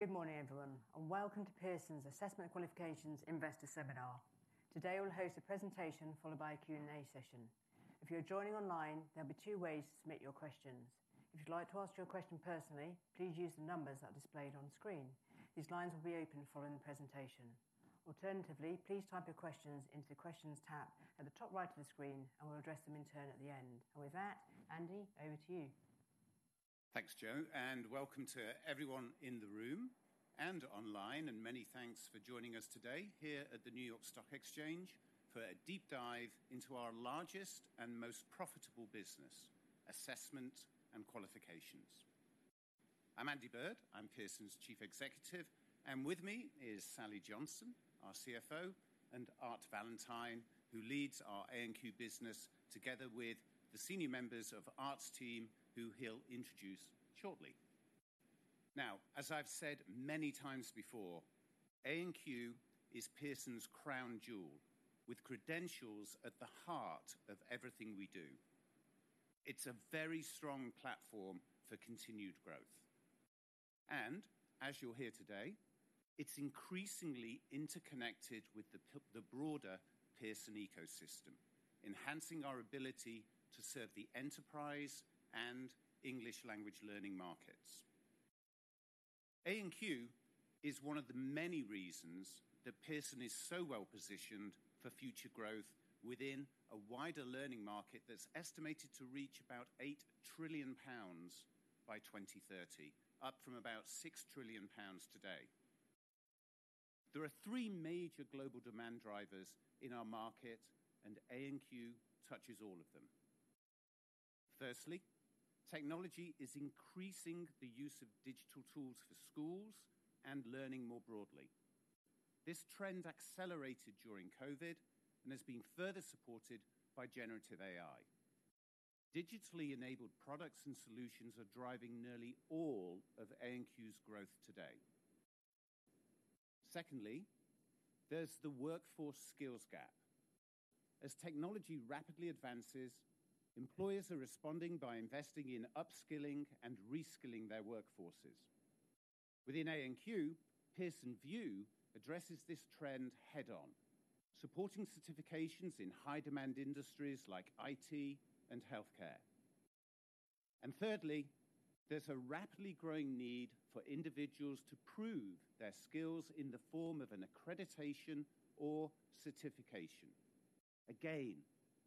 Good morning, everyone, and welcome to Pearson's Assessment & Qualifications Investor Seminar. Today, we'll host a presentation followed by a Q&A session. If you're joining online, there'll be two ways to submit your questions. If you'd like to ask your question personally, please use the numbers that are displayed on screen. These lines will be open following the presentation. Alternatively, please type your questions into the questions tab at the top right of the screen, and we'll address them in turn at the end. And with that, Andy, over to you. Thanks, Jo, and welcome to everyone in the room and online, and many thanks for joining us today here at the New York Stock Exchange for a deep dive into our largest and most profitable business, Assessment and Qualifications. I'm Andy Bird, I'm Pearson's Chief Executive, and with me is Sally Johnson, our CFO, and Art Valentine, who leads our A&Q business, together with the senior members of Art's team, who he'll introduce shortly. Now, as I've said many times before, A&Q is Pearson's crown jewel, with credentials at the heart of everything we do. It's a very strong platform for continued growth, and as you'll hear today, it's increasingly interconnected with the broader Pearson ecosystem, enhancing our ability to serve the enterprise and English language learning markets. A&Q is one of the many reasons that Pearson is so well-positioned for future growth within a wider learning market that's estimated to reach about 8 trillion pounds by 2030, up from about 6 trillion pounds today. There are three major global demand drivers in our market, and A&Q touches all of them. Firstly, technology is increasing the use of digital tools for schools and learning more broadly. This trend accelerated during COVID and has been further supported by generative AI. Digitally enabled products and solutions are driving nearly all of A&Q's growth today. Secondly, there's the workforce skills gap. As technology rapidly advances, employers are responding by investing in upskilling and reskilling their workforces. Within A&Q, Pearson VUE addresses this trend head-on, supporting certifications in high-demand industries like IT and healthcare. And thirdly, there's a rapidly growing need for individuals to prove their skills in the form of an accreditation or certification. Again,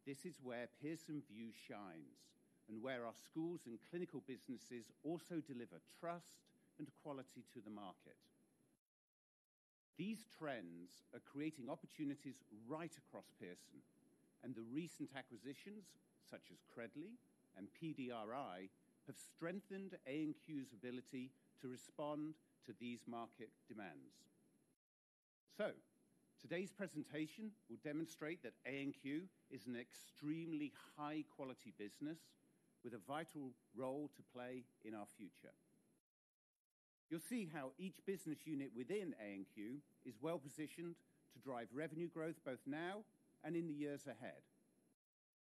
this is where Pearson VUE shines and where our schools and clinical businesses also deliver trust and quality to the market. These trends are creating opportunities right across Pearson, and the recent acquisitions, such as Credly and PDRI, have strengthened A&Q's ability to respond to these market demands. So, today's presentation will demonstrate that A&Q is an extremely high-quality business with a vital role to play in our future. You'll see how each business unit within A&Q is well-positioned to drive revenue growth both now and in the years ahead.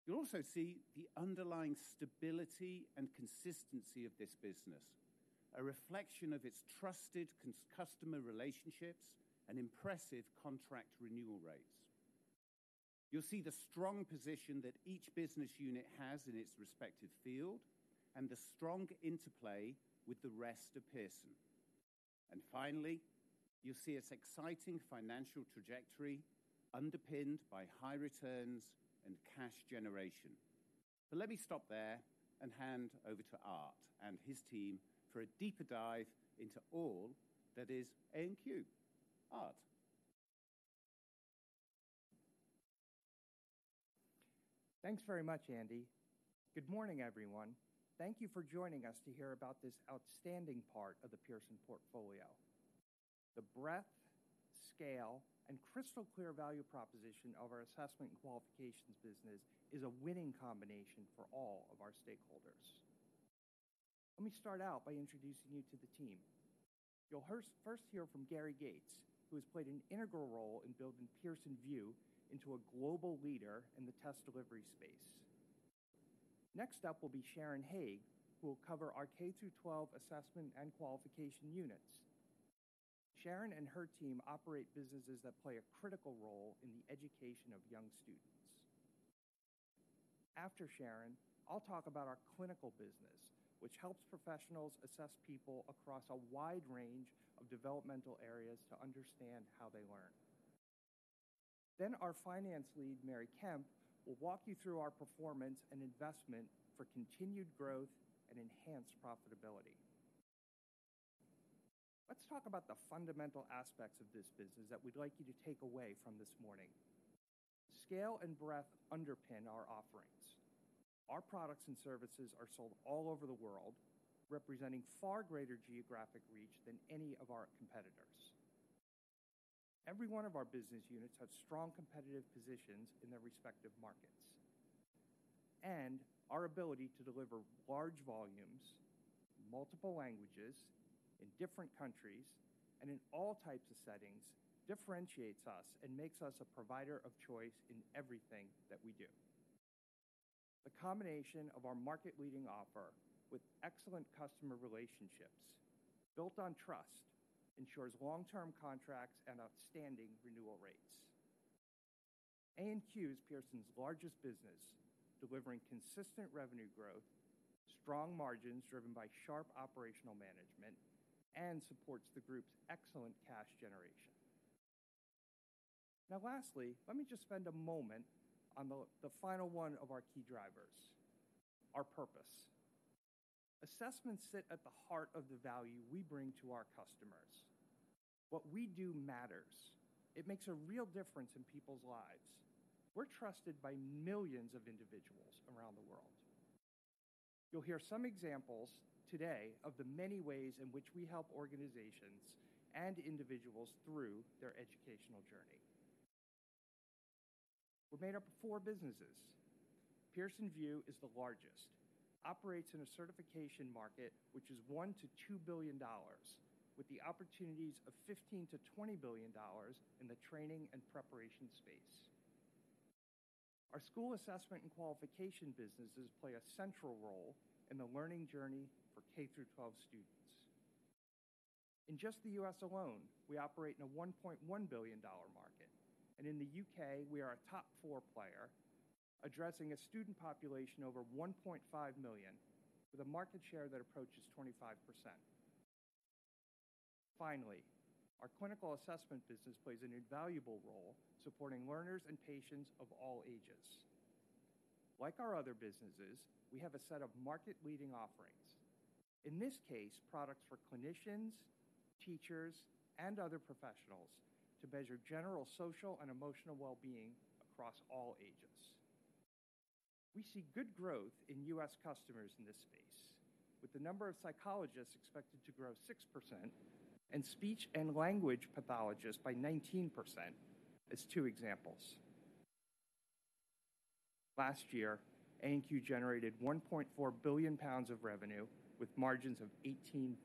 You'll also see the underlying stability and consistency of this business, a reflection of its trusted customer relationships and impressive contract renewal rates. You'll see the strong position that each business unit has in its respective field and the strong interplay with the rest of Pearson. And finally, you'll see its exciting financial trajectory, underpinned by high returns and cash generation. But let me stop there and hand over to Art and his team for a deeper dive into all that is A&Q. Art? Thanks very much, Andy. Good morning, everyone. Thank you for joining us to hear about this outstanding part of the Pearson portfolio. The breadth, scale, and crystal-clear value proposition of our Assessment and Qualifications business is a winning combination for all of our stakeholders. Let me start out by introducing you to the team. You'll first hear from Gary Gates, who has played an integral role in building Pearson VUE into a global leader in the test delivery space. Next up will be Sharon Hague, who will cover our K-12 Assessment and Qualification units. Sharon and her team operate businesses that play a critical role in the education of young students. After Sharon, I'll talk about our clinical business, which helps professionals assess people across a wide range of developmental areas to understand how they learn. Then, our finance lead, Mary Kempf, will walk you through our performance and investment for continued growth and enhanced profitability. Let's talk about the fundamental aspects of this business that we'd like you to take away from this morning. Scale and breadth underpin our offerings. Our products and services are sold all over the world, representing far greater geographic reach than any of our competitors. Every one of our business units have strong competitive positions in their respective markets, and our ability to deliver large volumes, multiple languages in different countries, and in all types of settings, differentiates us and makes us a provider of choice in everything that we do.... The combination of our market-leading offer with excellent customer relationships, built on trust, ensures long-term contracts and outstanding renewal rates. A&Q is Pearson's largest business, delivering consistent revenue growth, strong margins driven by sharp operational management, and supports the group's excellent cash generation. Now, lastly, let me just spend a moment on the final one of our key drivers, our purpose. Assessments sit at the heart of the value we bring to our customers. What we do matters. It makes a real difference in people's lives. We're trusted by millions of individuals around the world. You'll hear some examples today of the many ways in which we help organizations and individuals through their educational journey. We're made up of four businesses. Pearson VUE is the largest, operates in a certification market, which is $1 billion-$2 billion, with the opportunities of $15 billion-$20 billion in the training and preparation space. Our school assessment and qualification businesses play a central role in the learning journey for K-12 students. In just the U.S. alone, we operate in a $1.1 billion market, and in the U.K., we are a top four player, addressing a student population over 1.5 million, with a market share that approaches 25%. Finally, our clinical assessment business plays an invaluable role supporting learners and patients of all ages. Like our other businesses, we have a set of market-leading offerings. In this case, products for clinicians, teachers, and other professionals to measure general social and emotional well-being across all ages. We see good growth in U.S. customers in this space, with the number of psychologists expected to grow 6% and speech and language pathologists by 19%, as two examples. Last year, A&Q generated 1.4 billion pounds of revenue, with margins of 18%.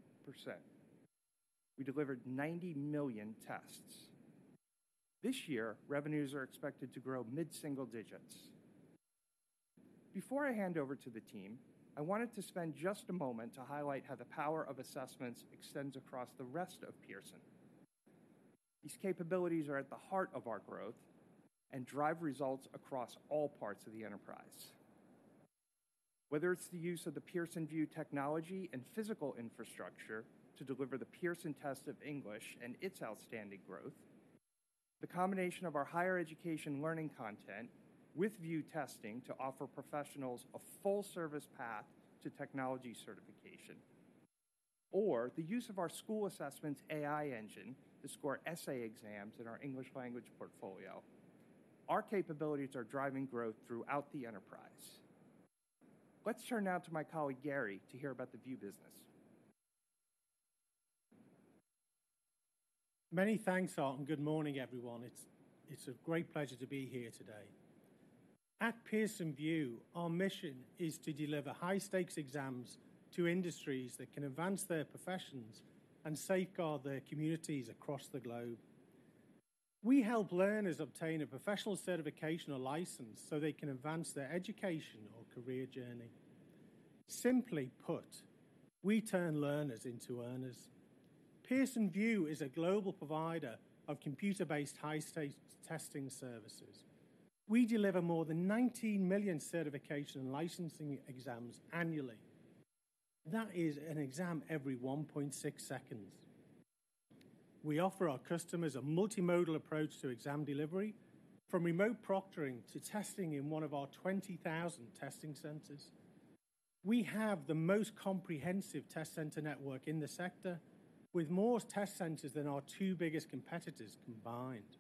We delivered 90 million tests. This year, revenues are expected to grow mid-single digits. Before I hand over to the team, I wanted to spend just a moment to highlight how the power of assessments extends across the rest of Pearson. These capabilities are at the heart of our growth and drive results across all parts of the enterprise. Whether it's the use of the Pearson VUE technology and physical infrastructure to deliver the Pearson Test of English and its outstanding growth, the combination of our higher education learning content with VUE testing to offer professionals a full-service path to technology certification, or the use of our school assessments AI engine to score essay exams in our English language portfolio, our capabilities are driving growth throughout the enterprise. Let's turn now to my colleague, Gary, to hear about the VUE business. Many thanks, Art, and good morning, everyone. It's a great pleasure to be here today. At Pearson VUE, our mission is to deliver high-stakes exams to industries that can advance their professions and safeguard their communities across the globe. We help learners obtain a professional certification or license so they can advance their education or career journey. Simply put, we turn learners into earners. Pearson VUE is a global provider of computer-based high-stakes testing services. We deliver more than 19 million certification and licensing exams annually. That is an exam every 1.6 seconds. We offer our customers a multimodal approach to exam delivery, from remote proctoring to testing in one of our 20,000 testing centers. We have the most comprehensive test center network in the sector, with more test centers than our two biggest competitors combined.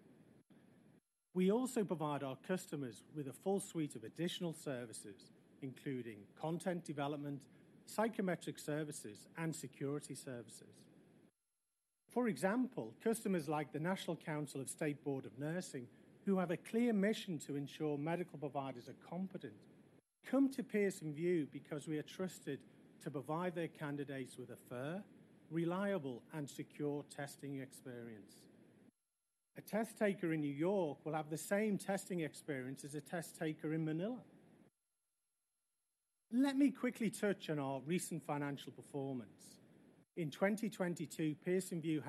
We also provide our customers with a full suite of additional services, including content development, psychometric services, and security services. For example, customers like the National Council of State Boards of Nursing, who have a clear mission to ensure medical providers are competent, come to Pearson VUE because we are trusted to provide their candidates with a fair, reliable, and secure testing experience. A test taker in New York will have the same testing experience as a test taker in Manila. Let me quickly touch on our recent financial performance. In 2022, Pearson VUE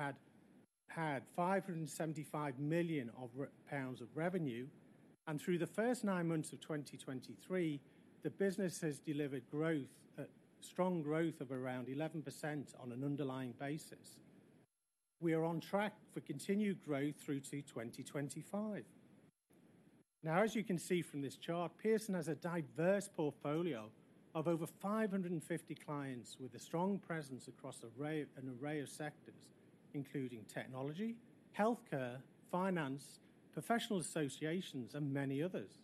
had 575 million pounds of revenue, and through the first nine months of 2023, the business has delivered growth, strong growth of around 11% on an underlying basis. We are on track for continued growth through to 2025. Now, as you can see from this chart, Pearson has a diverse portfolio of over 550 clients with a strong presence across an array of sectors, including technology, healthcare, finance, professional associations, and many others.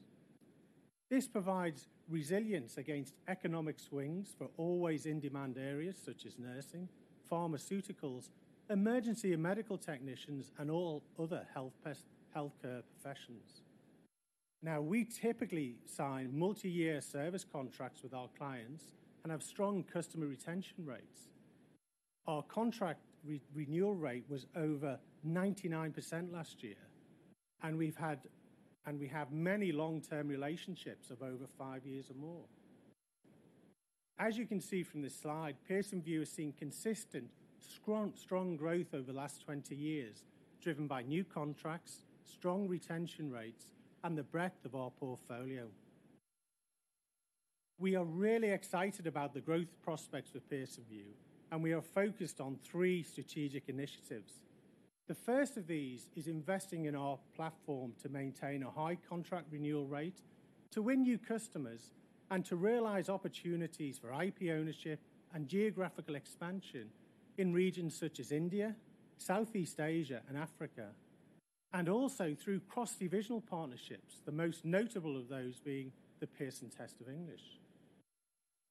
This provides resilience against economic swings for always in-demand areas such as nursing, pharmaceuticals, emergency and medical technicians, and all other healthcare professionals. Now, we typically sign multi-year service contracts with our clients and have strong customer retention rates. Our contract renewal rate was over 99% last year, and we've had, and we have many long-term relationships of over 5 years or more. As you can see from this slide, Pearson VUE has seen consistent strong growth over the last 20 years, driven by new contracts, strong retention rates, and the breadth of our portfolio. We are really excited about the growth prospects for Pearson VUE, and we are focused on three strategic initiatives. The first of these is investing in our platform to maintain a high contract renewal rate, to win new customers, and to realize opportunities for IP ownership and geographical expansion in regions such as India, Southeast Asia, and Africa, and also through cross-divisional partnerships, the most notable of those being the Pearson Test of English.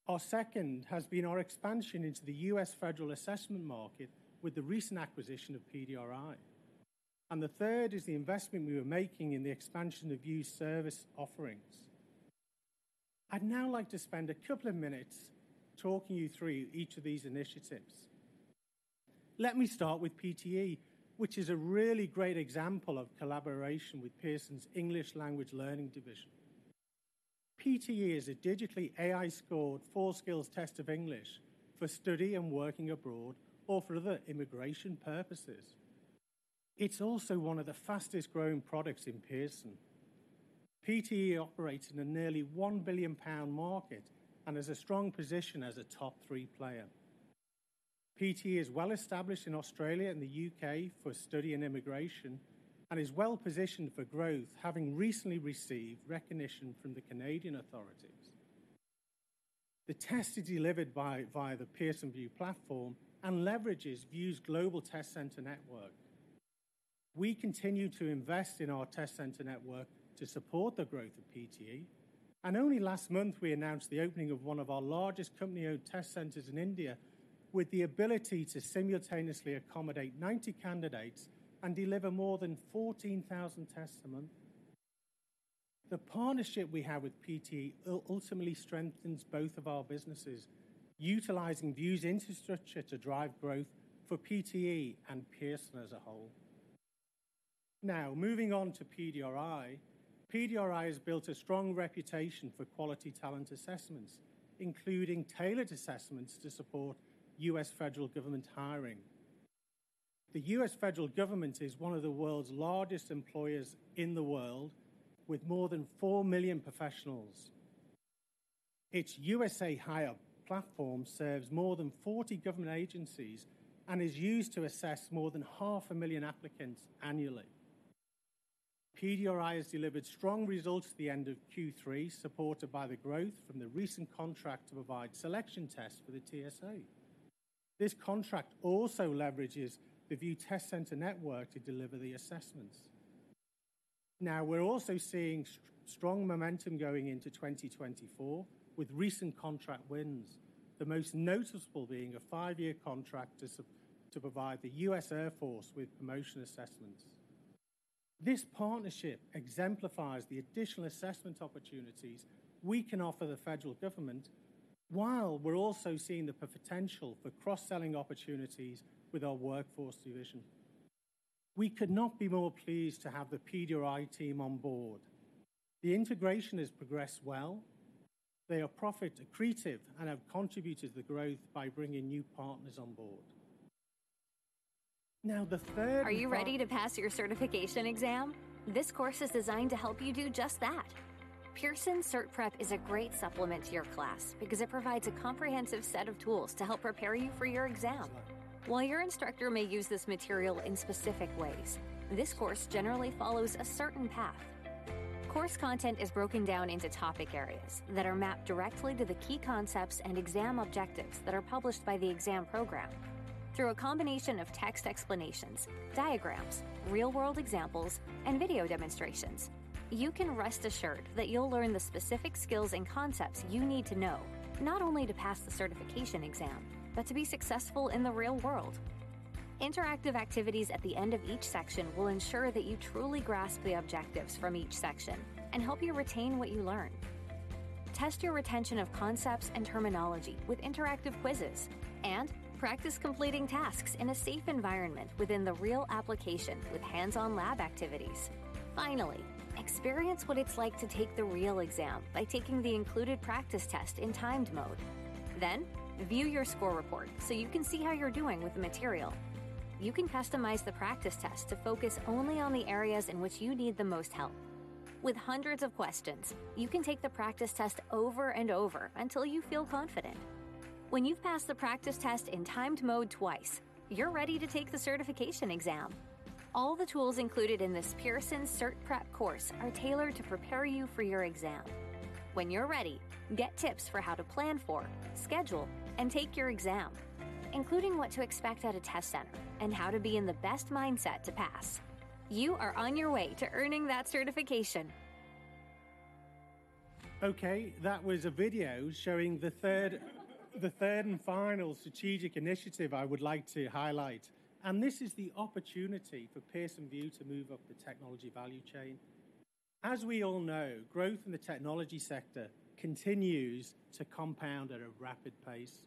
Our second has been our expansion into the U.S. federal assessment market with the recent acquisition of PDRI. The third is the investment we were making in the expansion of VUE's service offerings. I'd now like to spend a couple of minutes talking you through each of these initiatives. Let me start with PTE, which is a really great example of collaboration with Pearson's English Language Learning division. PTE is a digitally AI-scored, four skills test of English for study and working abroad or for other immigration purposes. It's also one of the fastest-growing products in Pearson. PTE operates in a nearly 1 billion pound market and has a strong position as a top three player. PTE is well established in Australia and the U.K. for study and immigration, and is well-positioned for growth, having recently received recognition from the Canadian authorities. The test is delivered via the Pearson VUE platform and leverages VUE's global test center network. We continue to invest in our test center network to support the growth of PTE, and only last month, we announced the opening of one of our largest company-owned test centers in India, with the ability to simultaneously accommodate 90 candidates and deliver more than 14,000 tests a month. The partnership we have with PTE ultimately strengthens both of our businesses, utilizing VUE's infrastructure to drive growth for PTE and Pearson as a whole. Now, moving on to PDRI. PDRI has built a strong reputation for quality talent assessments, including tailored assessments to support U.S. federal government hiring. The U.S. federal government is one of the world's largest employers in the world, with more than 4 million professionals. Its USA Hire platform serves more than 40 government agencies and is used to assess more than 500,000 applicants annually. PDRI has delivered strong results at the end of Q3, supported by the growth from the recent contract to provide selection tests for the TSA. This contract also leverages the VUE Test Center network to deliver the assessments. Now, we're also seeing strong momentum going into 2024, with recent contract wins, the most noticeable being a five-year contract to provide the U.S. Air Force with promotion assessments. This partnership exemplifies the additional assessment opportunities we can offer the federal government, while we're also seeing the potential for cross-selling opportunities with our workforce division. We could not be more pleased to have the PDRI team on board. The integration has progressed well. They are profit accretive and have contributed to the growth by bringing new partners on board. Now, the third and fi- Are you ready to pass your certification exam? This course is designed to help you do just that. Pearson Cert Prep is a great supplement to your class because it provides a comprehensive set of tools to help prepare you for your exam. While your instructor may use this material in specific ways, this course generally follows a certain path. Course content is broken down into topic areas that are mapped directly to the key concepts and exam objectives that are published by the exam program. Through a combination of text explanations, diagrams, real-world examples, and video demonstrations, you can rest assured that you'll learn the specific skills and concepts you need to know, not only to pass the certification exam, but to be successful in the real world. Interactive activities at the end of each section will ensure that you truly grasp the objectives from each section and help you retain what you learn. Test your retention of concepts and terminology with interactive quizzes, and practice completing tasks in a safe environment within the real application with hands-on lab activities. Finally, experience what it's like to take the real exam by taking the included practice test in timed mode. Then, view your score report so you can see how you're doing with the material. You can customize the practice test to focus only on the areas in which you need the most help. With hundreds of questions, you can take the practice test over and over until you feel confident. When you've passed the practice test in timed mode twice, you're ready to take the certification exam. All the tools included in this Pearson Cert Prep course are tailored to prepare you for your exam. When you're ready, get tips for how to plan for, schedule, and take your exam, including what to expect at a test center and how to be in the best mindset to pass. You are on your way to earning that certification. Okay, that was a video showing the third, the third and final strategic initiative I would like to highlight, and this is the opportunity for Pearson VUE to move up the technology value chain... As we all know, growth in the technology sector continues to compound at a rapid pace.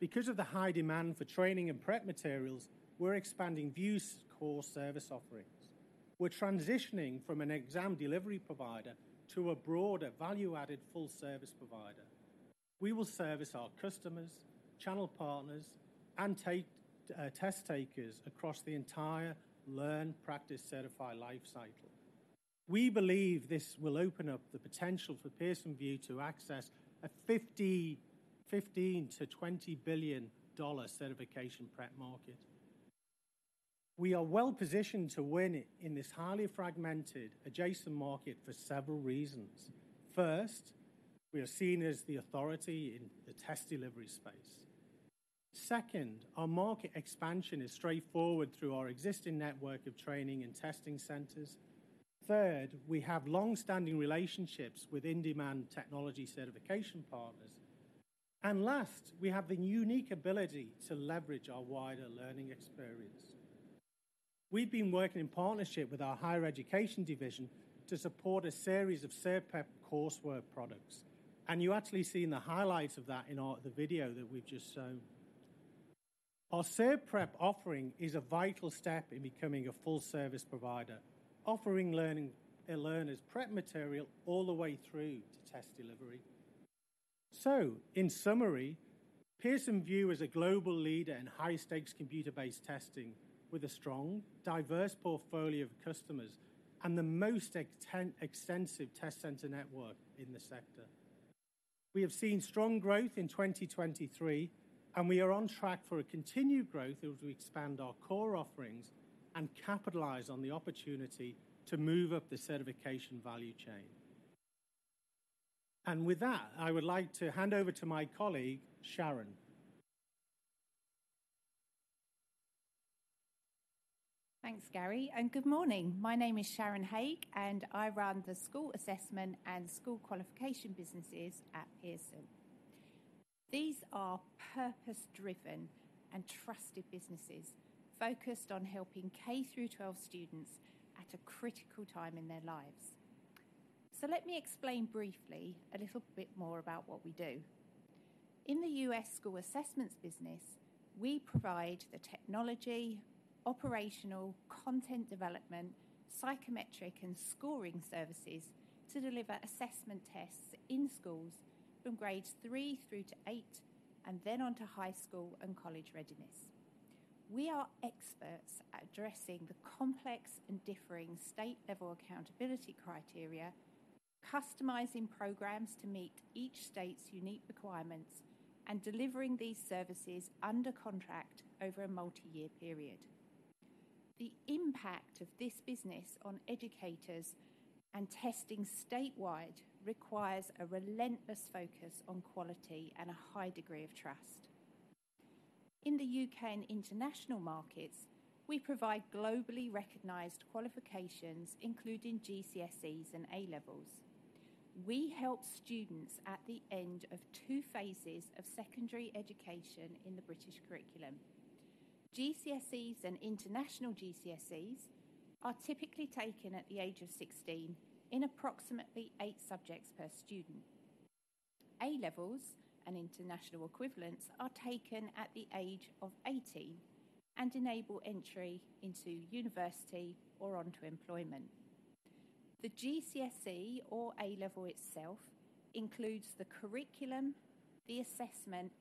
Because of the high demand for training and prep materials, we're expanding VUE's core service offerings. We're transitioning from an exam delivery provider to a broader, value-added, full-service provider. We will service our customers, channel partners, and take test takers across the entire learn, practice, certify life cycle. We believe this will open up the potential for Pearson VUE to access a $15 billion-$20 billion certification prep market. We are well-positioned to win in this highly fragmented, adjacent market for several reasons. First, we are seen as the authority in the test delivery space. Second, our market expansion is straightforward through our existing network of training and testing centers. Third, we have long-standing relationships with in-demand technology certification partners. And last, we have the unique ability to leverage our wider learning experience. We've been working in partnership with our higher education division to support a series of Cert Prep coursework products, and you actually seen the highlights of that in the video that we've just shown. Our Cert Prep offering is a vital step in becoming a full-service provider, offering learning, learners prep material all the way through to test delivery. So, in summary, Pearson VUE is a global leader in high-stakes, computer-based testing, with a strong, diverse portfolio of customers and the most extensive test center network in the sector. We have seen strong growth in 2023, and we are on track for a continued growth as we expand our core offerings and capitalize on the opportunity to move up the certification value chain. With that, I would like to hand over to my colleague, Sharon. Thanks, Gary, and good morning. My name is Sharon Hague, and I run the school assessment and school qualification businesses at Pearson. These are purpose-driven and trusted businesses focused on helping K-12 students at a critical time in their lives. Let me explain briefly a little bit more about what we do. In the U.S. school assessments business, we provide the technology, operational, content development, psychometric, and scoring services to deliver assessment tests in schools from grades three through to eight, and then on to high school and college readiness. We are experts at addressing the complex and differing state-level accountability criteria, customizing programs to meet each state's unique requirements, and delivering these services under contract over a multi-year period. The impact of this business on educators and testing statewide requires a relentless focus on quality and a high degree of trust. In the U.K. and international markets, we provide globally recognized qualifications, including GCSEs and A levels. We help students at the end of two phases of secondary education in the British curriculum. GCSEs and International GCSEs are typically taken at the age of 16, in approximately eight subjects per student. A levels and international equivalents are taken at the age of 18 and enable entry into university or onto employment. The GCSE or A level itself includes the curriculum, the assessment,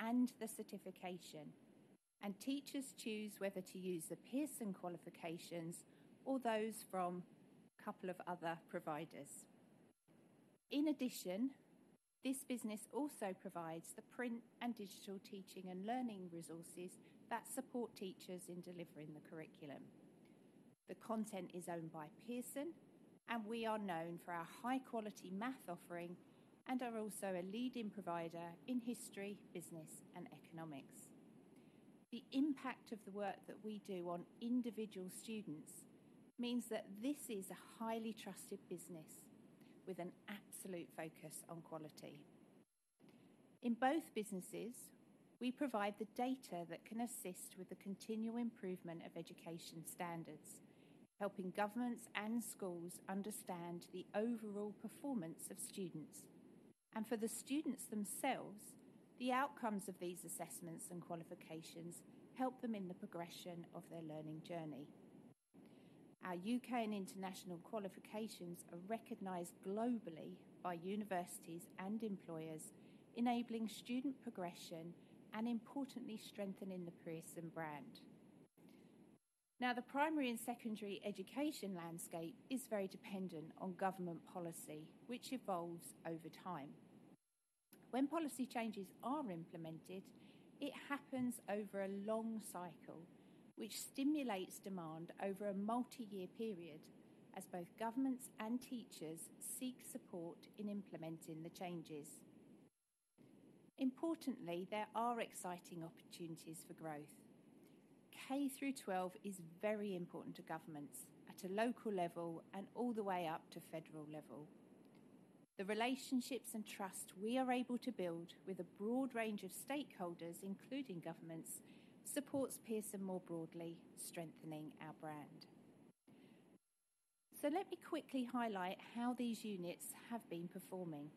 and the certification, and teachers choose whether to use the Pearson qualifications or those from a couple of other providers. In addition, this business also provides the print and digital teaching and learning resources that support teachers in delivering the curriculum. The content is owned by Pearson, and we are known for our high-quality math offering and are also a leading provider in history, business, and economics. The impact of the work that we do on individual students means that this is a highly trusted business with an absolute focus on quality. In both businesses, we provide the data that can assist with the continual improvement of education standards, helping governments and schools understand the overall performance of students. For the students themselves, the outcomes of these assessments and qualifications help them in the progression of their learning journey. Our U.K. and international qualifications are recognized globally by universities and employers, enabling student progression and, importantly, strengthening the Pearson brand. Now, the primary and secondary education landscape is very dependent on government policy, which evolves over time. When policy changes are implemented, it happens over a long cycle, which stimulates demand over a multi-year period as both governments and teachers seek support in implementing the changes. Importantly, there are exciting opportunities for growth. K-12 is very important to governments at a local level and all the way up to federal level. The relationships and trust we are able to build with a broad range of stakeholders, including governments, supports Pearson more broadly, strengthening our brand. So let me quickly highlight how these units have been performing.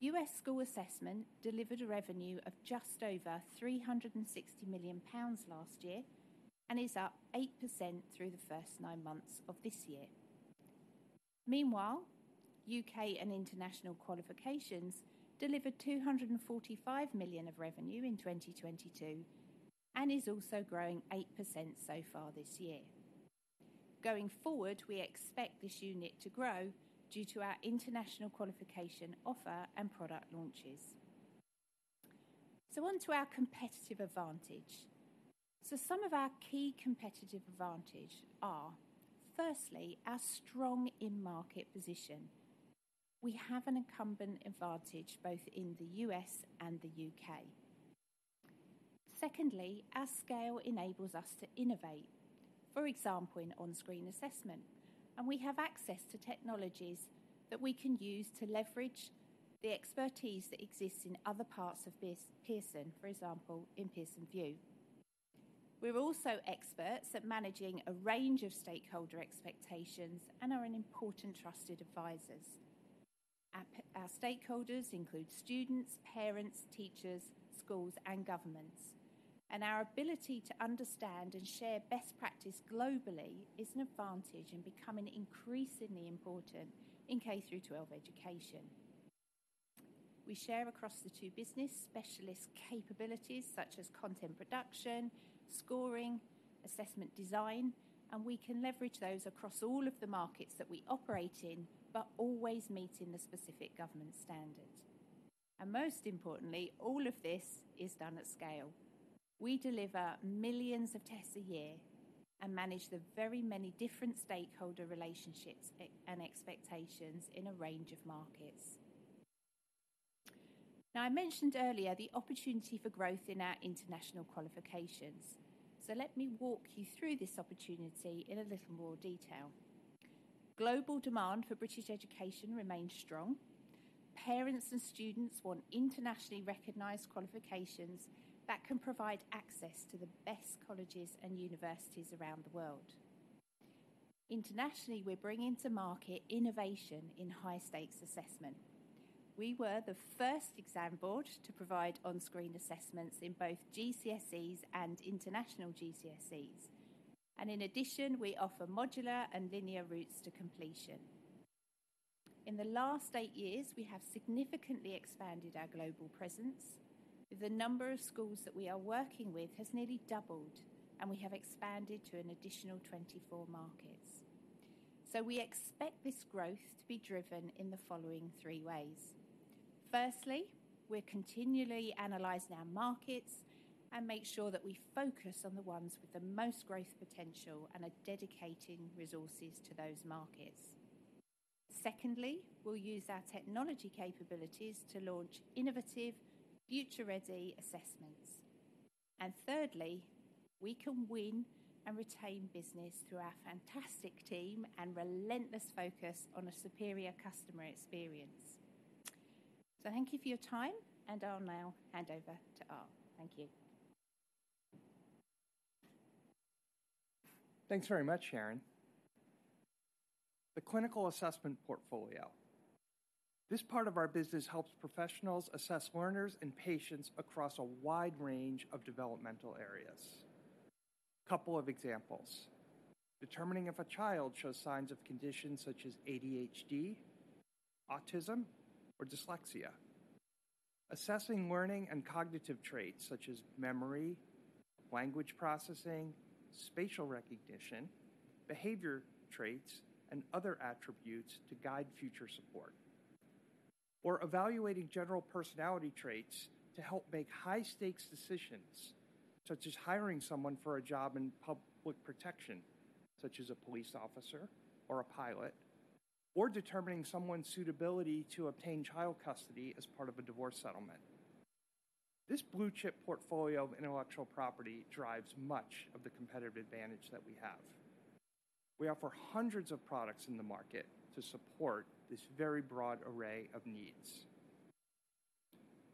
U.S. School Assessment delivered a revenue of just over 360 million pounds last year, and is up 8% through the first nine months of this year. Meanwhile, U.K. and International Qualifications delivered 245 million of revenue in 2022, and is also growing 8% so far this year. Going forward, we expect this unit to grow due to our international qualification offer and product launches. So on to our competitive advantage. So some of our key competitive advantage are: firstly, our strong in-market position. We have an incumbent advantage both in the U.S. and the U.K. Secondly, our scale enables us to innovate, for example, in on-screen assessment, and we have access to technologies that we can use to leverage the expertise that exists in other parts of Pearson, for example, in Pearson VUE. We're also experts at managing a range of stakeholder expectations and are important trusted advisors. Our stakeholders include students, parents, teachers, schools, and governments, and our ability to understand and share best practice globally is an advantage and becoming increasingly important in K-12 education. We share across the two business specialist capabilities such as content production, scoring, assessment design, and we can leverage those across all of the markets that we operate in, but always meeting the specific government standard. And most importantly, all of this is done at scale. We deliver millions of tests a year and manage the very many different stakeholder relationships and expectations in a range of markets. Now, I mentioned earlier the opportunity for growth in our international qualifications. So let me walk you through this opportunity in a little more detail. Global demand for British education remains strong. Parents and students want internationally recognized qualifications that can provide access to the best colleges and universities around the world. Internationally, we're bringing to market innovation in high-stakes assessment. We were the first exam board to provide on-screen assessments in both GCSEs and International GCSEs, and in addition, we offer modular and linear routes to completion. In the last eight years, we have significantly expanded our global presence. The number of schools that we are working with has nearly doubled, and we have expanded to an additional 24 markets. We expect this growth to be driven in the following three ways: firstly, we're continually analyzing our markets and make sure that we focus on the ones with the most growth potential and are dedicating resources to those markets. Secondly, we'll use our technology capabilities to launch innovative, future-ready assessments. Thirdly, we can win and retain business through our fantastic team and relentless focus on a superior customer experience. Thank you for your time, and I'll now hand over to Art. Thank you. Thanks very much, Sharon. The Clinical Assessment portfolio. This part of our business helps professionals assess learners and patients across a wide range of developmental areas. Couple of examples: determining if a child shows signs of conditions such as ADHD, autism, or dyslexia. Assessing learning and cognitive traits such as memory, language processing, spatial recognition, behavior traits, and other attributes to guide future support. Or evaluating general personality traits to help make high-stakes decisions, such as hiring someone for a job in public protection, such as a police officer or a pilot, or determining someone's suitability to obtain child custody as part of a divorce settlement. This blue-chip portfolio of intellectual property drives much of the competitive advantage that we have. We offer hundreds of products in the market to support this very broad array of needs.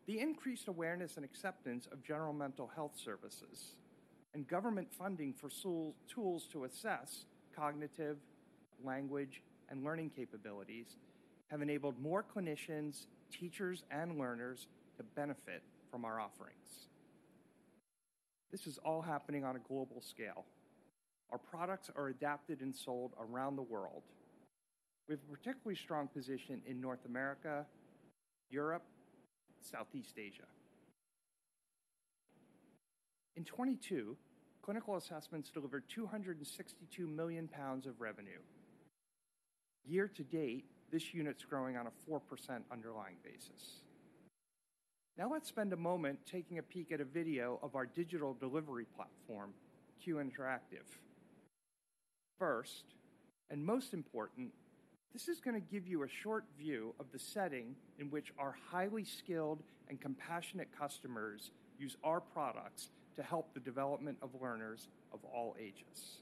The increased awareness and acceptance of general mental health services and government funding for school tools to assess cognitive, language, and learning capabilities have enabled more clinicians, teachers, and learners to benefit from our offerings. This is all happening on a global scale. Our products are adapted and sold around the world, with a particularly strong position in North America, Europe, Southeast Asia. In 2022, Clinical Assessments delivered 262 million pounds of revenue. Year to date, this unit's growing on a 4% underlying basis. Now, let's spend a moment taking a peek at a video of our digital delivery platform, Q Interactive. First, and most important, this is gonna give you a short view of the setting in which our highly skilled and compassionate customers use our products to help the development of learners of all ages.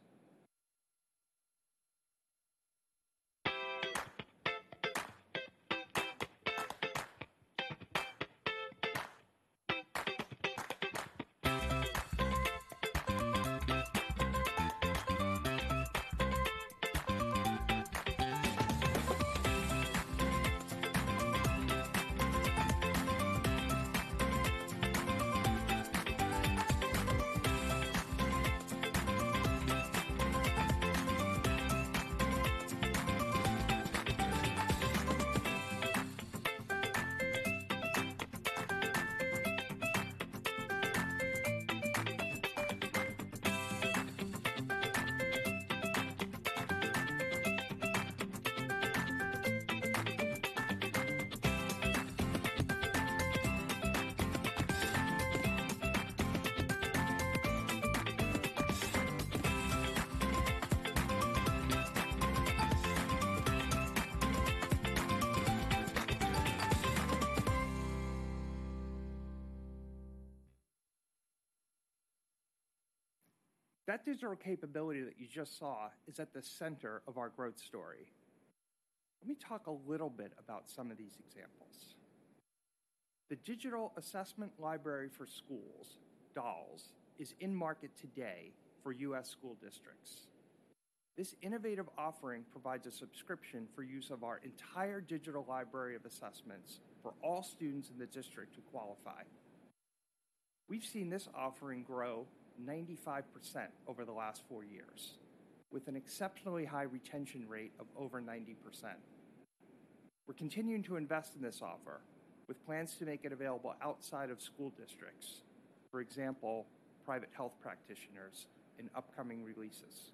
That digital capability that you just saw is at the center of our growth story. Let me talk a little bit about some of these examples. The Digital Assessment Library for Schools, DALS, is in market today for U.S. school districts. This innovative offering provides a subscription for use of our entire digital library of assessments for all students in the district who qualify. We've seen this offering grow 95% over the last four years, with an exceptionally high retention rate of over 90%. We're continuing to invest in this offer, with plans to make it available outside of school districts, for example, private health practitioners, in upcoming releases.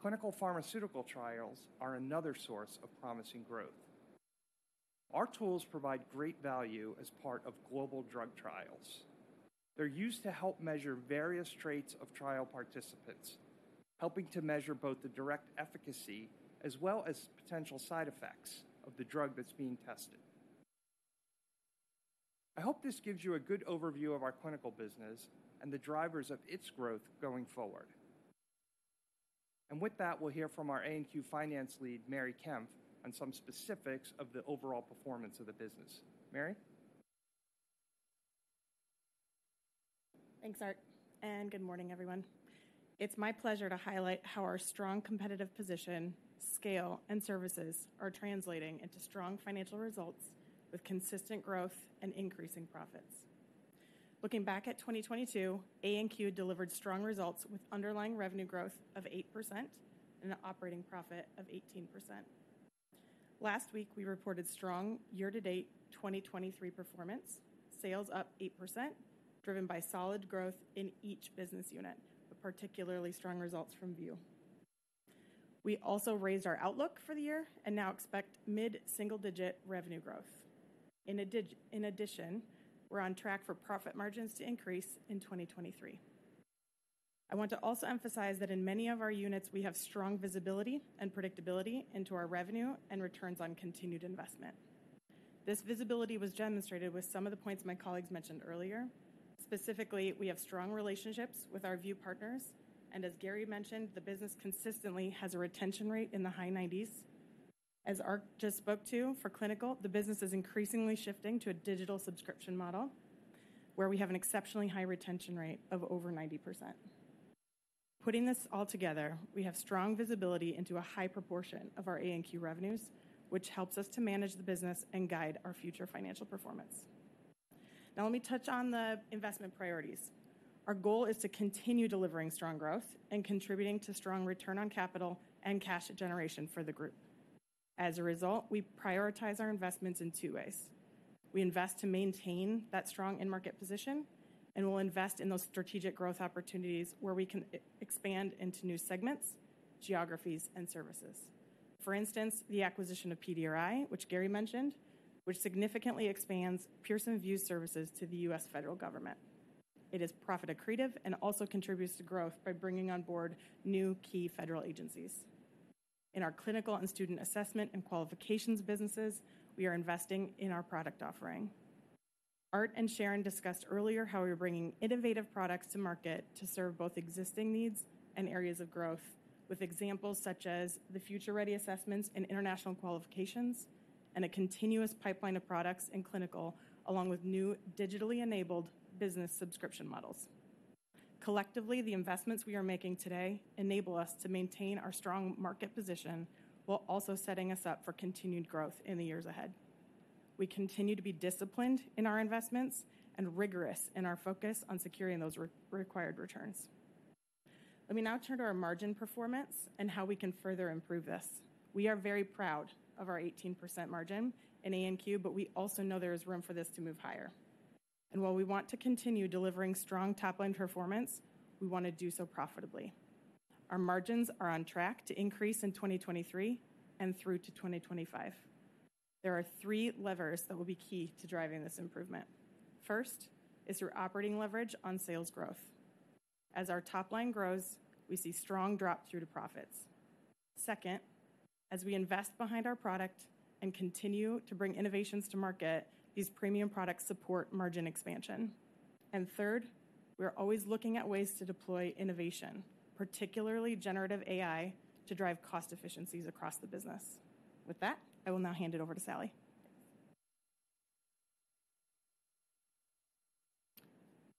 Clinical pharmaceutical trials are another source of promising growth. Our tools provide great value as part of global drug trials. They're used to help measure various traits of trial participants, helping to measure both the direct efficacy as well as potential side effects of the drug that's being tested. I hope this gives you a good overview of our clinical business and the drivers of its growth going forward. With that, we'll hear from our A&Q Finance Lead, Mary Kempf, on some specifics of the overall performance of the business. Mary? Thanks, Art, and good morning, everyone. It's my pleasure to highlight how our strong competitive position, scale, and services are translating into strong financial results with consistent growth and increasing profits. Looking back at 2022, A&Q delivered strong results with underlying revenue growth of 8% and an operating profit of 18%. Last week, we reported strong year-to-date 2023 performance, sales up 8%, driven by solid growth in each business unit, with particularly strong results from VUE. We also raised our outlook for the year and now expect mid-single-digit revenue growth. In addition, we're on track for profit margins to increase in 2023. I want to also emphasize that in many of our units, we have strong visibility and predictability into our revenue and returns on continued investment. This visibility was demonstrated with some of the points my colleagues mentioned earlier. Specifically, we have strong relationships with our VUE partners, and as Gary mentioned, the business consistently has a retention rate in the high 90s. As Art just spoke to, for Clinical, the business is increasingly shifting to a digital subscription model, where we have an exceptionally high retention rate of over 90%. Putting this all together, we have strong visibility into a high proportion of our A&Q revenues, which helps us to manage the business and guide our future financial performance. Now, let me touch on the investment priorities. Our goal is to continue delivering strong growth and contributing to strong return on capital and cash generation for the group. As a result, we prioritize our investments in two ways. We invest to maintain that strong end market position, and we'll invest in those strategic growth opportunities where we can expand into new segments, geographies, and services. For instance, the acquisition of PDRI, which Gary mentioned, which significantly expands Pearson VUE services to the U.S. federal government. It is profit accretive and also contributes to growth by bringing on board new key federal agencies. In our clinical and student assessment and qualifications businesses, we are investing in our product offering. Art and Sharon discussed earlier how we're bringing innovative products to market to serve both existing needs and areas of growth, with examples such as the future-ready assessments and international qualifications and a continuous pipeline of products in clinical, along with new digitally enabled business subscription models. Collectively, the investments we are making today enable us to maintain our strong market position while also setting us up for continued growth in the years ahead. We continue to be disciplined in our investments and rigorous in our focus on securing those required returns. Let me now turn to our margin performance and how we can further improve this. We are very proud of our 18% margin in A&Q, but we also know there is room for this to move higher. And while we want to continue delivering strong top-line performance, we want to do so profitably. Our margins are on track to increase in 2023 and through to 2025. There are three levers that will be key to driving this improvement. First is through operating leverage on sales growth. As our top line grows, we see strong drop-through to profits.... Second, as we invest behind our product and continue to bring innovations to market, these premium products support margin expansion. And third, we're always looking at ways to deploy innovation, particularly generative AI, to drive cost efficiencies across the business. With that, I will now hand it over to Sally.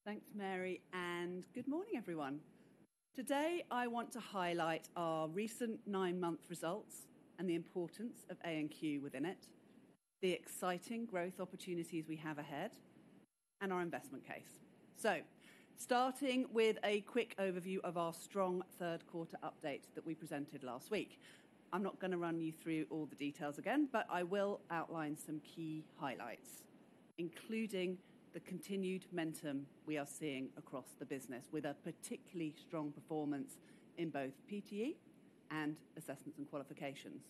Thanks, Mary, and good morning, everyone. Today, I want to highlight our recent nine-month results and the importance of A&Q within it, the exciting growth opportunities we have ahead, and our investment case. Starting with a quick overview of our strong third quarter update that we presented last week. I'm not gonna run you through all the details again, but I will outline some key highlights, including the continued momentum we are seeing across the business, with a particularly strong performance in both PTE and Assessments and Qualifications.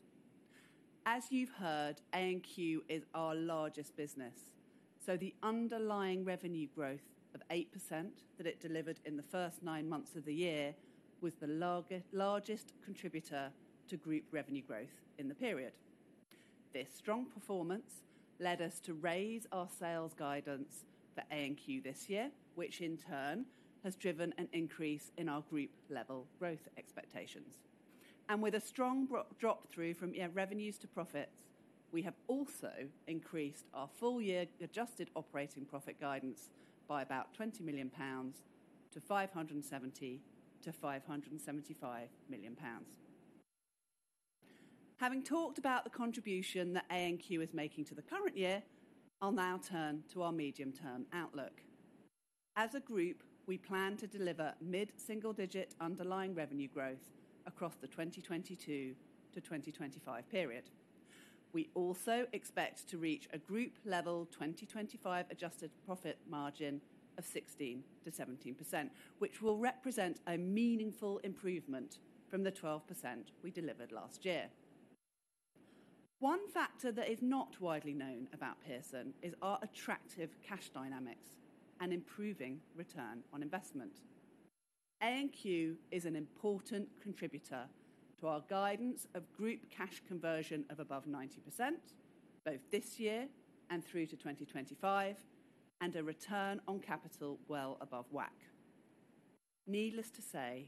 As you've heard, A&Q is our largest business, so the underlying revenue growth of 8% that it delivered in the first nine months of the year was the largest contributor to group revenue growth in the period. This strong performance led us to raise our sales guidance for A&Q this year, which in turn has driven an increase in our group-level growth expectations. With a strong broad drop-through from revenues to profits, we have also increased our full year adjusted operating profit guidance by about 20 million pounds to 570 million-575 million pounds. Having talked about the contribution that A&Q is making to the current year, I'll now turn to our medium-term outlook. As a group, we plan to deliver mid-single-digit underlying revenue growth across the 2022-2025 period. We also expect to reach a group-level 2025 adjusted profit margin of 16%-17%, which will represent a meaningful improvement from the 12% we delivered last year. One factor that is not widely known about Pearson is our attractive cash dynamics and improving return on investment. A&Q is an important contributor to our guidance of group cash conversion of above 90%, both this year and through to 2025, and a return on capital well above WACC. Needless to say,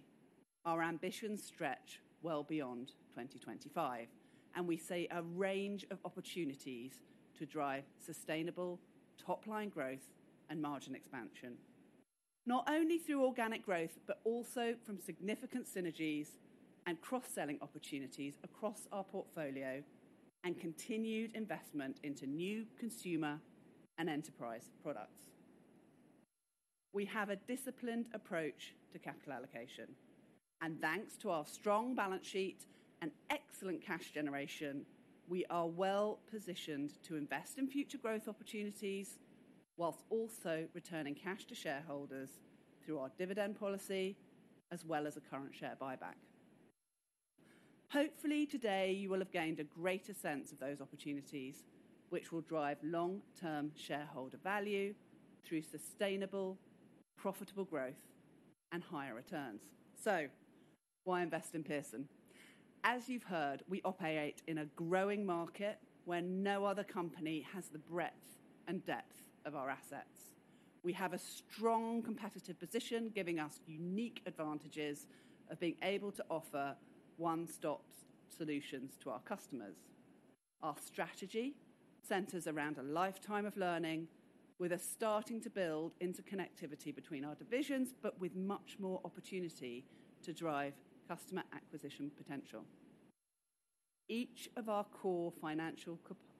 our ambitions stretch well beyond 2025, and we see a range of opportunities to drive sustainable top-line growth and margin expansion, not only through organic growth, but also from significant synergies and cross-selling opportunities across our portfolio and continued investment into new consumer and enterprise products. We have a disciplined approach to capital allocation, and thanks to our strong balance sheet and excellent cash generation, we are well positioned to invest in future growth opportunities while also returning cash to shareholders through our dividend policy, as well as a current share buyback. Hopefully, today, you will have gained a greater sense of those opportunities, which will drive long-term shareholder value through sustainable, profitable growth and higher returns. Why invest in Pearson? As you've heard, we operate in a growing market where no other company has the breadth and depth of our assets. We have a strong competitive position, giving us unique advantages of being able to offer one-stop solutions to our customers. Our strategy centers around a lifetime of learning, with us starting to build interconnectivity between our divisions, but with much more opportunity to drive customer acquisition potential. Each of our core financial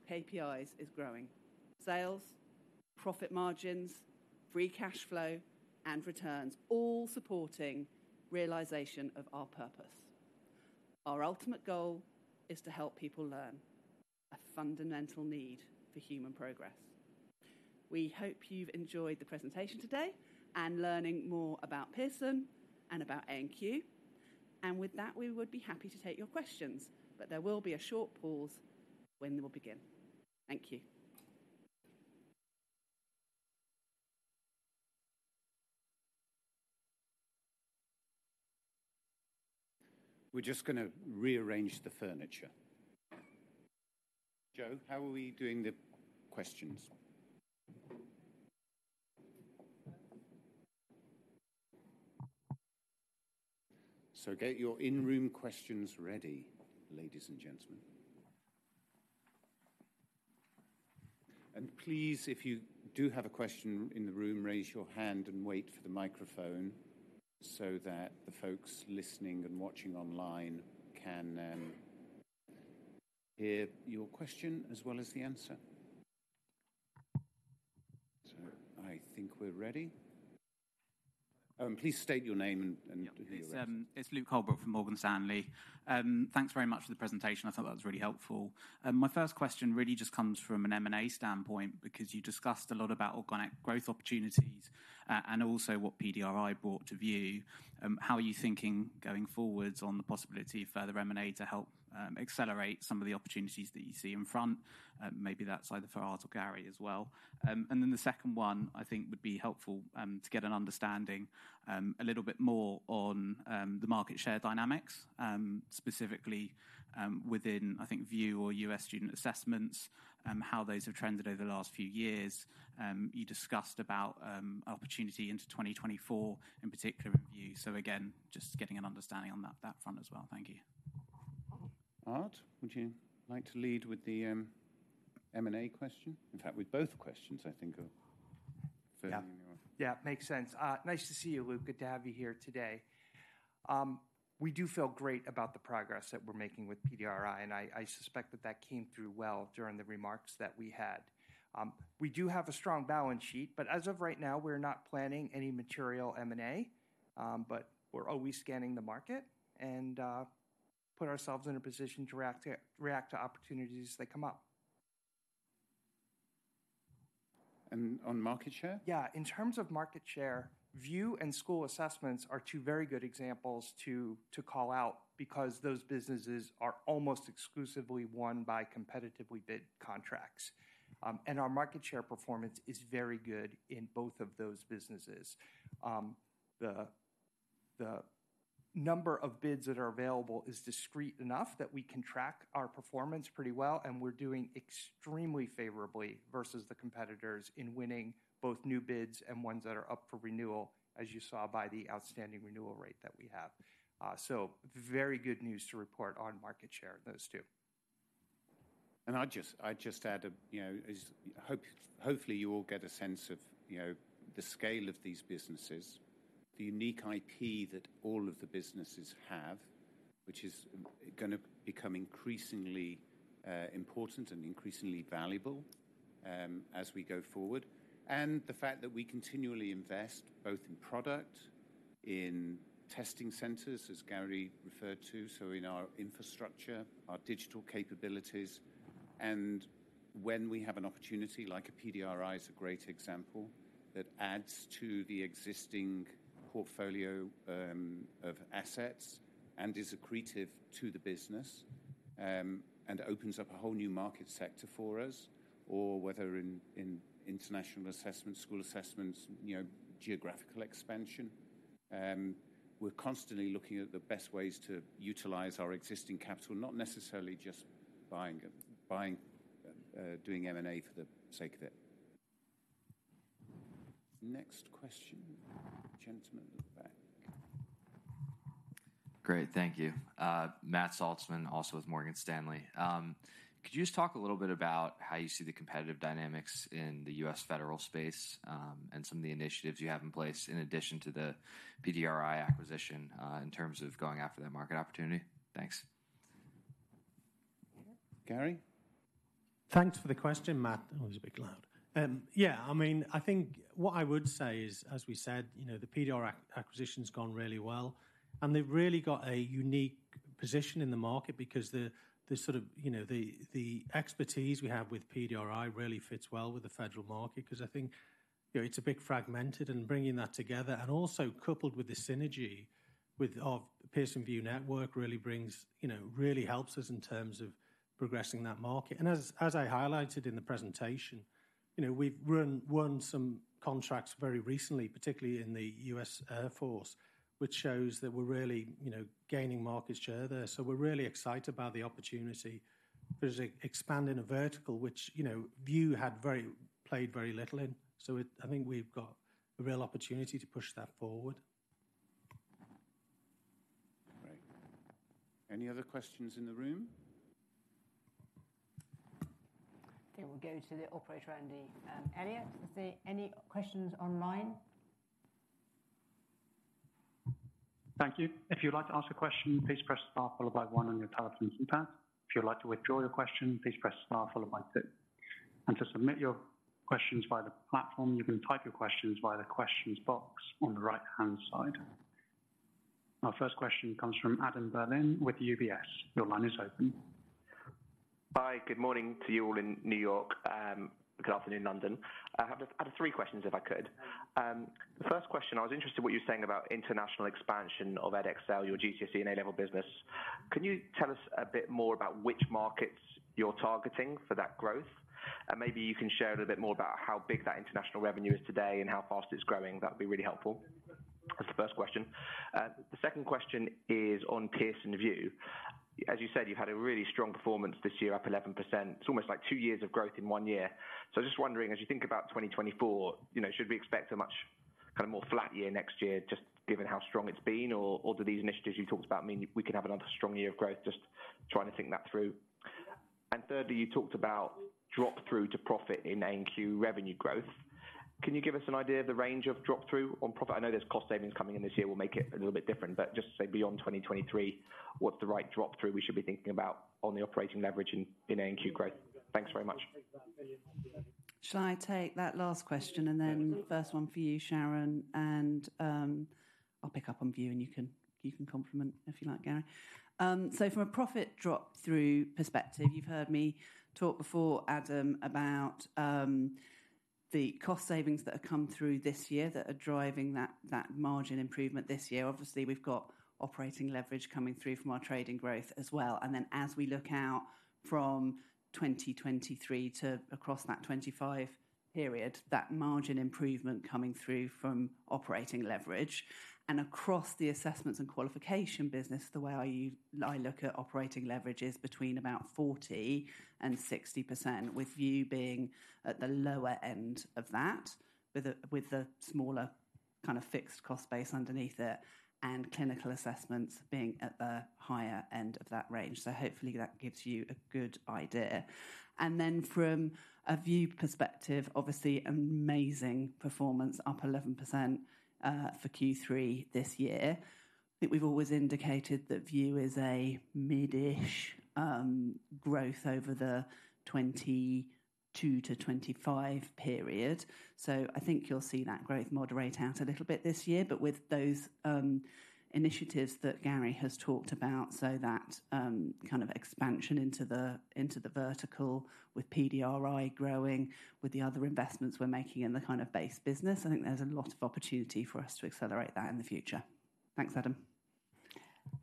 KPIs is growing: sales, profit margins, free cash flow, and returns, all supporting realization of our purpose. Our ultimate goal is to help people learn, a fundamental need for human progress. We hope you've enjoyed the presentation today and learning more about Pearson and about A&Q. With that, we would be happy to take your questions, but there will be a short pause when we'll begin. Thank you. We're just gonna rearrange the furniture. Jo, how are we doing the questions? So get your in-room questions ready, ladies and gentlemen. And please, if you do have a question in the room, raise your hand and wait for the microphone so that the folks listening and watching online can hear your question as well as the answer. So I think we're ready. Please state your name and who you are. Yep. It's Luke Holbrook from Morgan Stanley. Thanks very much for the presentation. I thought that was really helpful. My first question really just comes from an M&A standpoint, because you discussed a lot about organic growth opportunities, and also what PDRI brought to VUE. How are you thinking going forwards on the possibility of further M&A to help accelerate some of the opportunities that you see in front? Maybe that's either for Art or Gary as well. And then the second one, I think, would be helpful to get an understanding a little bit more on the market share dynamics, specifically, within, I think, VUE or U.S. student assessments, how those have trended over the last few years. You discussed about opportunity into 2024, in particular, in VUE. Again, just getting an understanding on that front as well. Thank you. Art, would you like to lead with the M&A question? In fact, with both questions, I think are fair in your- Yeah. Yeah, makes sense. Nice to see you, Luke. Good to have you here today. We do feel great about the progress that we're making with PDRI, and I suspect that that came through well during the remarks that we had. We do have a strong balance sheet, but as of right now, we're not planning any material M&A. But we're always scanning the market and put ourselves in a position to react to opportunities that come up. On market share? Yeah. In terms of market share, VUE and School Assessments are two very good examples to call out because those businesses are almost exclusively won by competitively bid contracts. And our market share performance is very good in both of those businesses. The number of bids that are available is discrete enough that we can track our performance pretty well, and we're doing extremely favorably versus the competitors in winning both new bids and ones that are up for renewal, as you saw by the outstanding renewal rate that we have. So very good news to report on market share of those two. I'll just add a, you know, hopefully, you all get a sense of, you know, the scale of these businesses, the unique IP that all of the businesses have, which is gonna become increasingly important and increasingly valuable, as we go forward. And the fact that we continually invest both in product, in testing centers, as Gary referred to, so in our infrastructure, our digital capabilities, and when we have an opportunity, like a PDRI is a great example, that adds to the existing portfolio of assets and is accretive to the business, and opens up a whole new market sector for us, or whether in international assessments, school assessments, you know, geographical expansion. We're constantly looking at the best ways to utilize our existing capital, not necessarily just buying it, doing M&A for the sake of it. Next question, gentleman at the back. Great, thank you. Matt Saltzman, also with Morgan Stanley. Could you just talk a little bit about how you see the competitive dynamics in the U.S. federal space, and some of the initiatives you have in place, in addition to the PDRI acquisition, in terms of going after that market opportunity? Thanks. Gary? Thanks for the question, Matt. Oh, it's a bit loud. Yeah, I mean, I think what I would say is, as we said, you know, the PDRI acquisition's gone really well, and they've really got a unique position in the market because the, the sort of, you know, the, the expertise we have with PDRI really fits well with the federal market, 'cause I think, you know, it's a bit fragmented and bringing that together, and also coupled with the synergy with our Pearson VUE network, really brings, you know, really helps us in terms of progressing that market. And as, as I highlighted in the presentation, you know, we've won some contracts very recently, particularly in the U.S. Air Force, which shows that we're really, you know, gaining market share there. We're really excited about the opportunity because expanding a vertical, which, you know, VUE had very little play in. So it, I think we've got a real opportunity to push that forward. Great. Any other questions in the room? Okay, we'll go to the operator, Andy, Elliott. Are there any questions online? Thank you. If you'd like to ask a question, please press star followed by one on your telephone keypad. If you'd like to withdraw your question, please press star followed by two. And to submit your questions via the platform, you can type your questions via the questions box on the right-hand side. Our first question comes from Adam Berlin with UBS. Your line is open. Hi, good morning to you all in New York, good afternoon, London. I have three questions, if I could. The first question, I was interested in what you were saying about international expansion of Edexcel, your GCSE and A-level business. Can you tell us a bit more about which markets you're targeting for that growth? And maybe you can share a little bit more about how big that international revenue is today and how fast it's growing. That would be really helpful. That's the first question. The second question is on Pearson VUE. As you said, you've had a really strong performance this year, up 11%. It's almost like two years of growth in one year. So I'm just wondering, as you think about 2024, you know, should we expect a much kind of more flat year next year, just given how strong it's been? Or, or do these initiatives you talked about mean we can have another strong year of growth? Just trying to think that through. And thirdly, you talked about drop-through to profit in A&Q revenue growth. Can you give us an idea of the range of drop-through on profit? I know there's cost savings coming in this year will make it a little bit different, but just say beyond 2023, what's the right drop-through we should be thinking about on the operating leverage in, in A&Q growth? Thanks very much. Shall I take that last question? Yeah, absolutely. - and then first one for you, Sharon, and, I'll pick up on VUE, and you can, you can complement if you like, Gary. So from a profit drop-through perspective, you've heard me talk before, Adam, about,... the cost savings that have come through this year that are driving that, that margin improvement this year. Obviously, we've got operating leverage coming through from our trading growth as well. And then as we look out from 2023 to across that 25 period, that margin improvement coming through from operating leverage. And across the assessments and qualification business, the way I look at operating leverage is between about 40% and 60%, with VUE being at the lower end of that, with a smaller kind of fixed cost base underneath it, and clinical assessments being at the higher end of that range. So hopefully that gives you a good idea. And then from a VUE perspective, obviously amazing performance, up 11%, for Q3 this year. I think we've always indicated that VUE is a mid-ish growth over the 2022-2025 period. So I think you'll see that growth moderate out a little bit this year. But with those initiatives that Gary has talked about, so that kind of expansion into the vertical with PDRI growing, with the other investments we're making in the kind of base business, I think there's a lot of opportunity for us to accelerate that in the future. Thanks, Adam.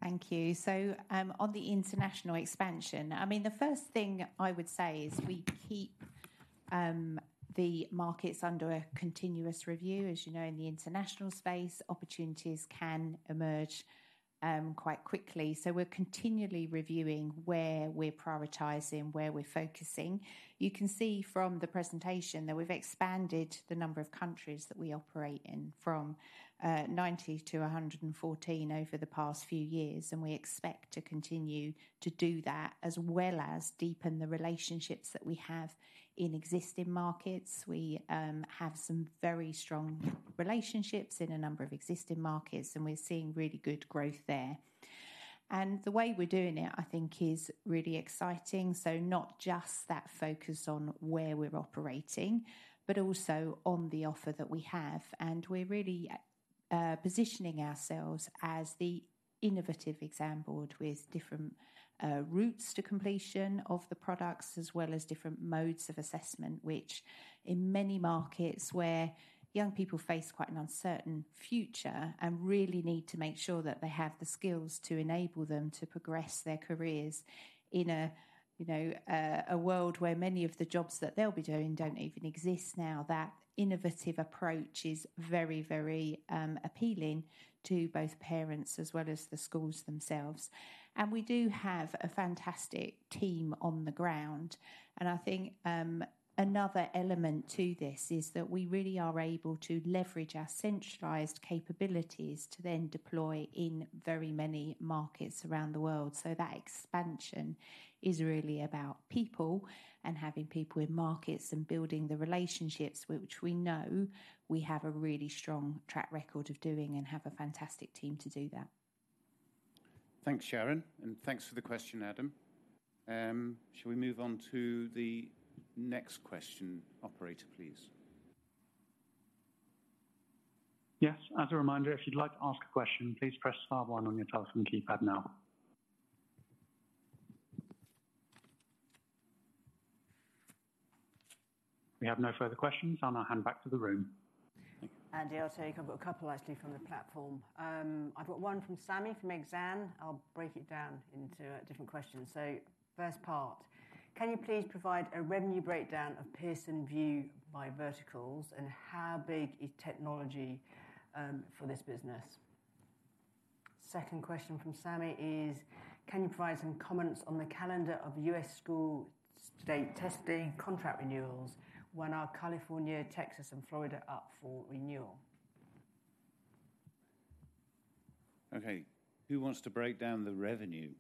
Thank you. So, on the international expansion, I mean, the first thing I would say is we keep the markets under a continuous review. As you know, in the international space, opportunities can emerge quite quickly, so we're continually reviewing where we're prioritising, where we're focusing. You can see from the presentation that we've expanded the number of countries that we operate in from 90 to 114 over the past few years, and we expect to continue to do that, as well as deepen the relationships that we have in existing markets. We have some very strong relationships in a number of existing markets, and we're seeing really good growth there. And the way we're doing it, I think is really exciting. So not just that focus on where we're operating, but also on the offer that we have. And we're really positioning ourselves as the innovative exam board with different routes to completion of the products, as well as different modes of assessment. Which in many markets where young people face quite an uncertain future and really need to make sure that they have the skills to enable them to progress their careers in a, you know, a world where many of the jobs that they'll be doing don't even exist now, that innovative approach is very, very appealing to both parents as well as the schools themselves. And we do have a fantastic team on the ground, and I think another element to this is that we really are able to leverage our centralized capabilities to then deploy in very many markets around the world. That expansion is really about people and having people in markets and building the relationships, which we know we have a really strong track record of doing and have a fantastic team to do that. Thanks, Sharon, and thanks for the question, Adam. Shall we move on to the next question, operator, please? Yes. As a reminder, if you'd like to ask a question, please press star one on your telephone keypad now. We have no further questions. I'm going to hand back to the room. Andy, I'll take... I've got a couple actually from the platform. I've got one from Sami, from Exane. I'll break it down into different questions. So first part, "Can you please provide a revenue breakdown of Pearson VUE by verticals, and how big is technology for this business?" Second question from Sami is: "Can you provide some comments on the calendar of U.S. school state testing contract renewals? When are California, Texas, and Florida up for renewal? Okay, who wants to break down the revenue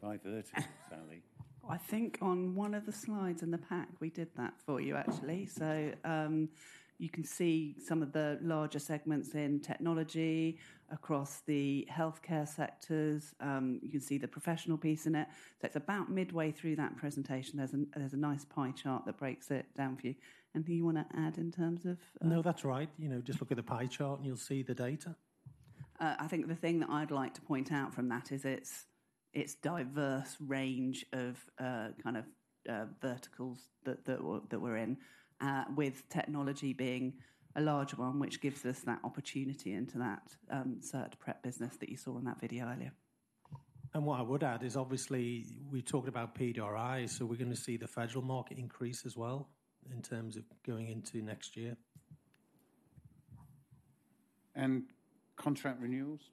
by vertical, Sally? I think on one of the slides in the pack, we did that for you actually. So, you can see some of the larger segments in technology across the healthcare sectors. You can see the professional piece in it. So it's about midway through that presentation, there's a nice pie chart that breaks it down for you. Andy, you wanna add in terms of uh- No, that's right. You know, just look at the pie chart and you'll see the data. I think the thing that I'd like to point out from that is its diverse range of kind of verticals that we're in, with technology being a large one, which gives us that opportunity into that Cert Prep business that you saw in that video earlier. What I would add is, obviously, we talked about PDRI, so we're gonna see the federal market increase as well in terms of going into next year. Contract renewals?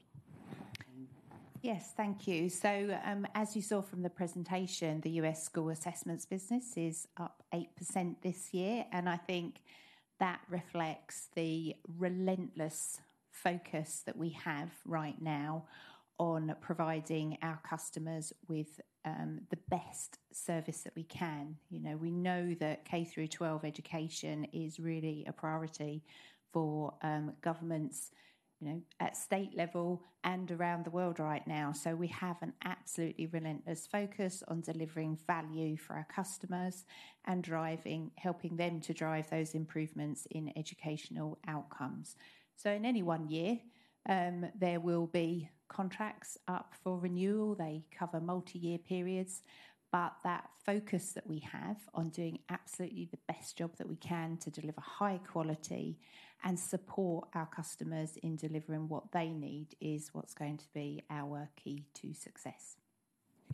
Yes, thank you. So, as you saw from the presentation, the U.S. school assessments business is up 8% this year, and I think that reflects the relentless focus that we have right now on providing our customers with the best service that we can. You know, we know that K-12 education is really a priority for governments, you know, at state level and around the world right now. So we have an absolutely relentless focus on delivering value for our customers and driving, helping them to drive those improvements in educational outcomes. So in any one year, there will be contracts up for renewal. They cover multi-year periods. But that focus that we have on doing absolutely the best job that we can to deliver high quality and support our customers in delivering what they need, is what's going to be our key to success....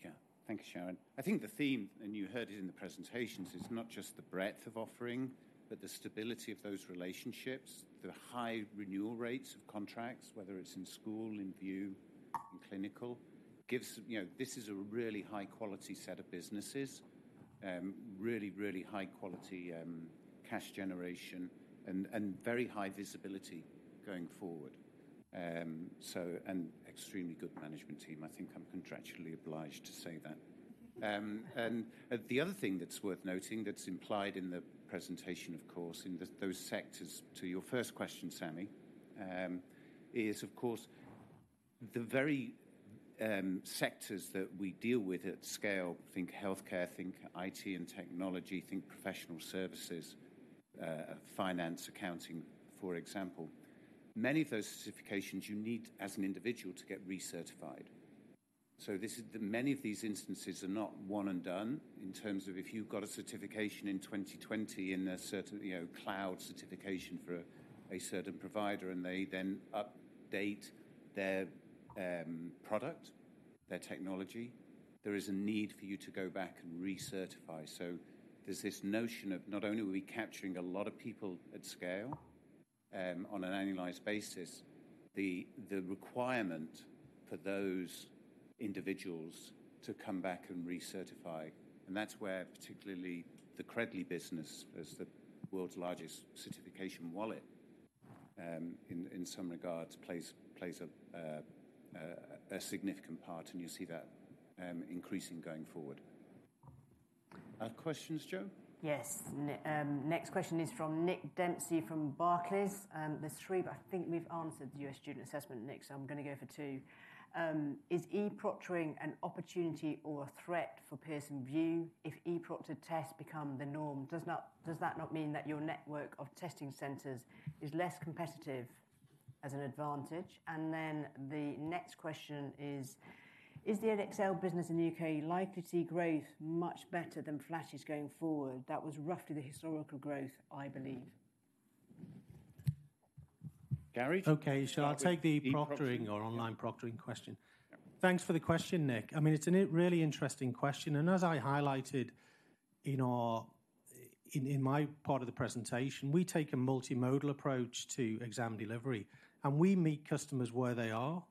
Yeah. Thank you, Sharon. I think the theme, and you heard it in the presentations, is not just the breadth of offering, but the stability of those relationships, the high renewal rates of contracts, whether it's in school, in VUE, in clinical. You know, this is a really high-quality set of businesses, really, really high-quality cash generation and very high visibility going forward. So, and extremely good management team. I think I'm contractually obliged to say that. And the other thing that's worth noting, that's implied in the presentation, of course, in those sectors, to your first question, Sami, is of course, the very sectors that we deal with at scale, think healthcare, think IT and technology, think professional services, finance, accounting, for example. Many of those certifications you need as an individual to get recertified. So this is the many of these instances are not one and done in terms of if you've got a certification in 2020 in a certain, you know, cloud certification for a certain provider, and they then update their product, their technology, there is a need for you to go back and recertify. So there's this notion of not only are we capturing a lot of people at scale, on an annualized basis, the requirement for those individuals to come back and recertify, and that's where particularly the Credly business, as the world's largest certification wallet, in some regards, plays a significant part, and you see that increasing going forward. Questions, Jo? Yes. Next question is from Nick Dempsey, from Barclays. There's three, but I think we've answered the U.S. student assessment, Nick, so I'm going to go for two. Is E-proctoring an opportunity or a threat for Pearson VUE? If E-proctored tests become the norm, does that not mean that your network of testing centers is less competitive as an advantage? And then the next question is, is the Edexcel business in the U.K. likely to see growth much better than flatish going forward? That was roughly the historical growth, I believe. Gary? Okay, shall I take the proctoring- E-proctoring... or online proctoring question? Yeah. Thanks for the question, Nick. I mean, it's an really interesting question, and as I highlighted in our, in, in my part of the presentation, we take a multimodal approach to exam delivery, and we meet customers where they are.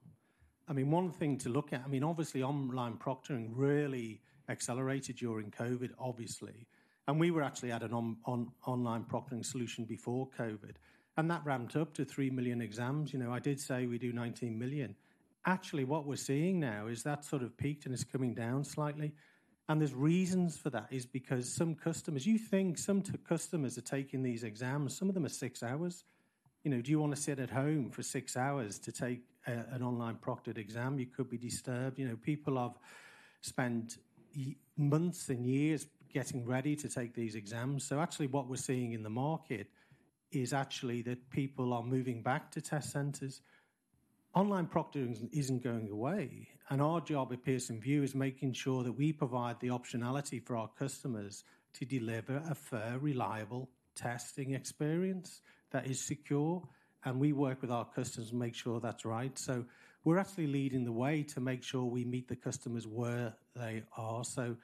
I mean, one thing to look at. I mean, obviously, online proctoring really accelerated during COVID, obviously, and we were actually at an online proctoring solution before COVID, and that ramped up to 3 million exams. You know, I did say we do 19 million. Actually, what we're seeing now is that sort of peaked, and it's coming down slightly, and there's reasons for that, is because some customers. You think some customers are taking these exams, some of them are 6 hours. You know, do you want to sit at home for 6 hours to take a, an online proctored exam? You could be disturbed. You know, people have spent months and years getting ready to take these exams. So actually, what we're seeing in the market is actually that people are moving back to test centers. Online proctoring isn't going away, and our job at Pearson VUE is making sure that we provide the optionality for our customers to deliver a fair, reliable testing experience that is secure, and we work with our customers to make sure that's right. So we're actually leading the way to make sure we meet the customers where they are. So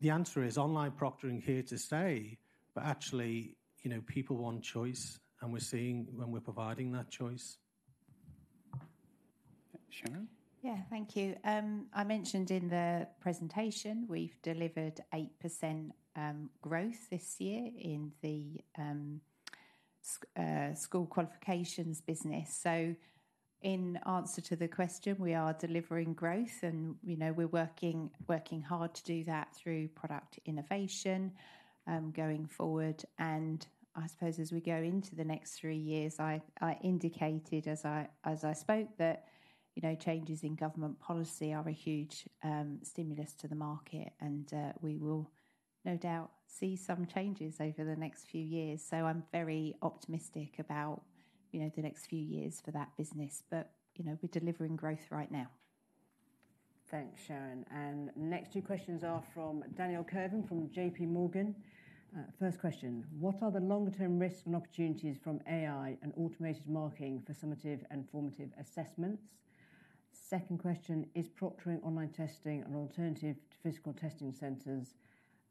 the answer is online proctoring is here to stay, but actually, you know, people want choice, and we're seeing when we're providing that choice. Sharon? Yeah, thank you. I mentioned in the presentation we've delivered 8% growth this year in the school qualifications business. So in answer to the question, we are delivering growth, and you know, we're working hard to do that through product innovation going forward. And I suppose as we go into the next three years, I indicated as I spoke that you know, changes in government policy are a huge stimulus to the market, and we will no doubt see some changes over the next few years. So I'm very optimistic about you know, the next few years for that business. But you know, we're delivering growth right now. Thanks, Sharon. And next two questions are from Daniel Kerven, from JP Morgan. First question: What are the long-term risks and opportunities from AI and automated marking for summative and formative assessments? Second question: Is proctoring online testing an alternative to physical testing centers,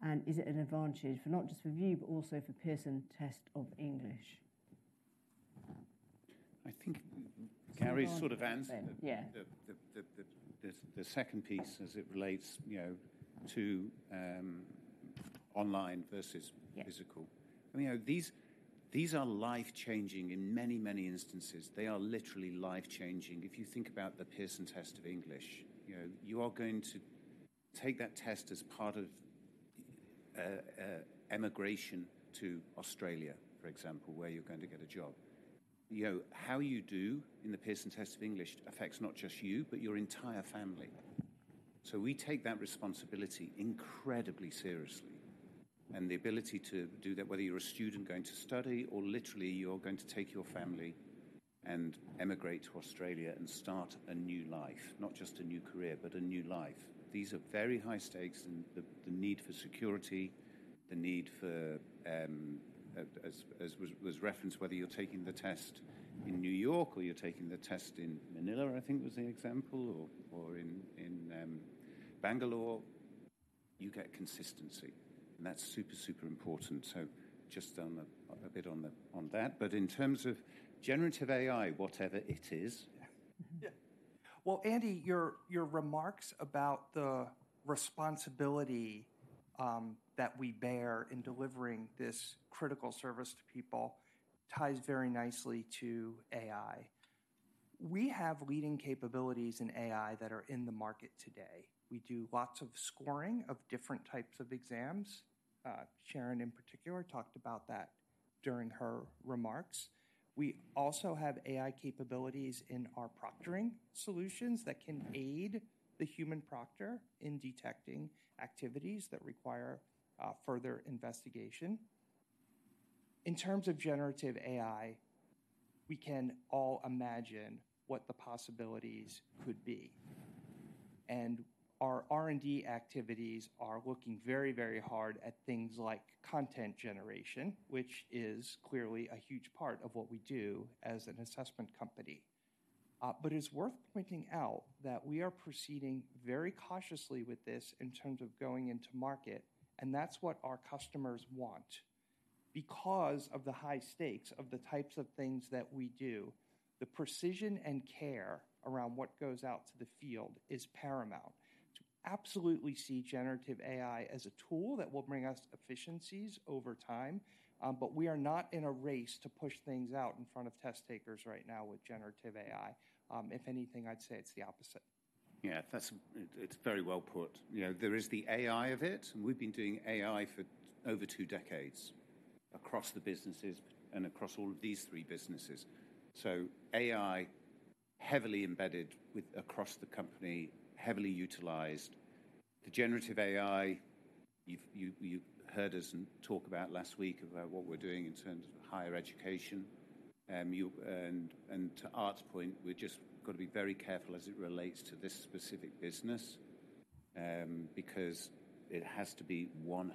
and is it an advantage for not just for VUE, but also for Pearson Test of English? I think Gary sort of answered- Yeah... the second piece as it relates, you know, to online versus- Yeah... physical. You know, these are life-changing in many, many instances. They are literally life-changing. If you think about the Pearson Test of English, you know, you are going to take that test as part of a emigration to Australia, for example, where you're going to get a job. You know, how you do in the Pearson Test of English affects not just you, but your entire family. So we take that responsibility incredibly seriously, and the ability to do that, whether you're a student going to study, or literally you're going to take your family and emigrate to Australia and start a new life, not just a new career, but a new life. These are very high stakes, and the need for security-... The need for, as was referenced, whether you're taking the test in New York or you're taking the test in Manila, I think was the example, or in Bangalore, you get consistency, and that's super, super important. So just a bit on that, but in terms of Generative AI, whatever it is. Yeah. Well, Andy, your remarks about the responsibility that we bear in delivering this critical service to people ties very nicely to AI. We have leading capabilities in AI that are in the market today. We do lots of scoring of different types of exams. Sharon in particular talked about that during her remarks. We also have AI capabilities in our proctoring solutions that can aid the human proctor in detecting activities that require further investigation. In terms of generative AI, we can all imagine what the possibilities could be, and our R&D activities are looking very, very hard at things like content generation, which is clearly a huge part of what we do as an assessment company. But it's worth pointing out that we are proceeding very cautiously with this in terms of going into market, and that's what our customers want. Because of the high stakes of the types of things that we do, the precision and care around what goes out to the field is paramount. To absolutely see Generative AI as a tool that will bring us efficiencies over time, but we are not in a race to push things out in front of test takers right now with Generative AI. If anything, I'd say it's the opposite. Yeah, that's it, it's very well put. You know, there is the AI of it, and we've been doing AI for over two decades across the businesses and across all of these three businesses. So AI, heavily embedded across the company, heavily utilized. The generative AI, you've heard us talk about last week about what we're doing in terms of higher education. And to Art's point, we've just got to be very careful as it relates to this specific business, because it has to be 100%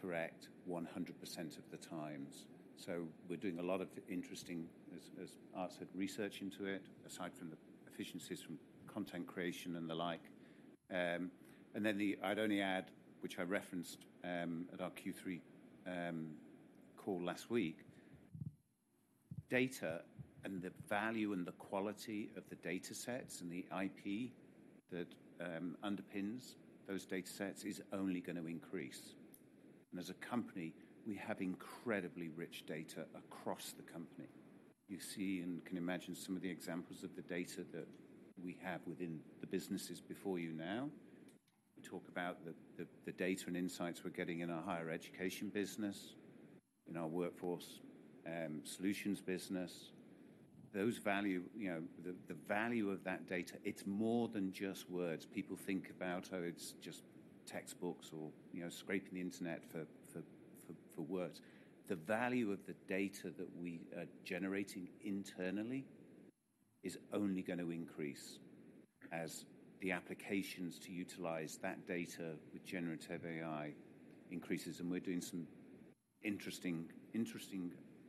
correct 100% of the times. So we're doing a lot of interesting, as Art said, research into it, aside from the efficiencies from content creation and the like. I'd only add, which I referenced at our Q3 call last week, data and the value and the quality of the data sets and the IP that underpins those data sets is only going to increase. And as a company, we have incredibly rich data across the company. You see and can imagine some of the examples of the data that we have within the businesses before you now. We talk about the data and insights we're getting in our higher education business, in our workforce solutions business. The value, you know, the value of that data, it's more than just words. People think about, oh, it's just textbooks or, you know, scraping the internet for words. The value of the data that we are generating internally is only going to increase as the applications to utilize that data with Generative AI increases, and we're doing some interesting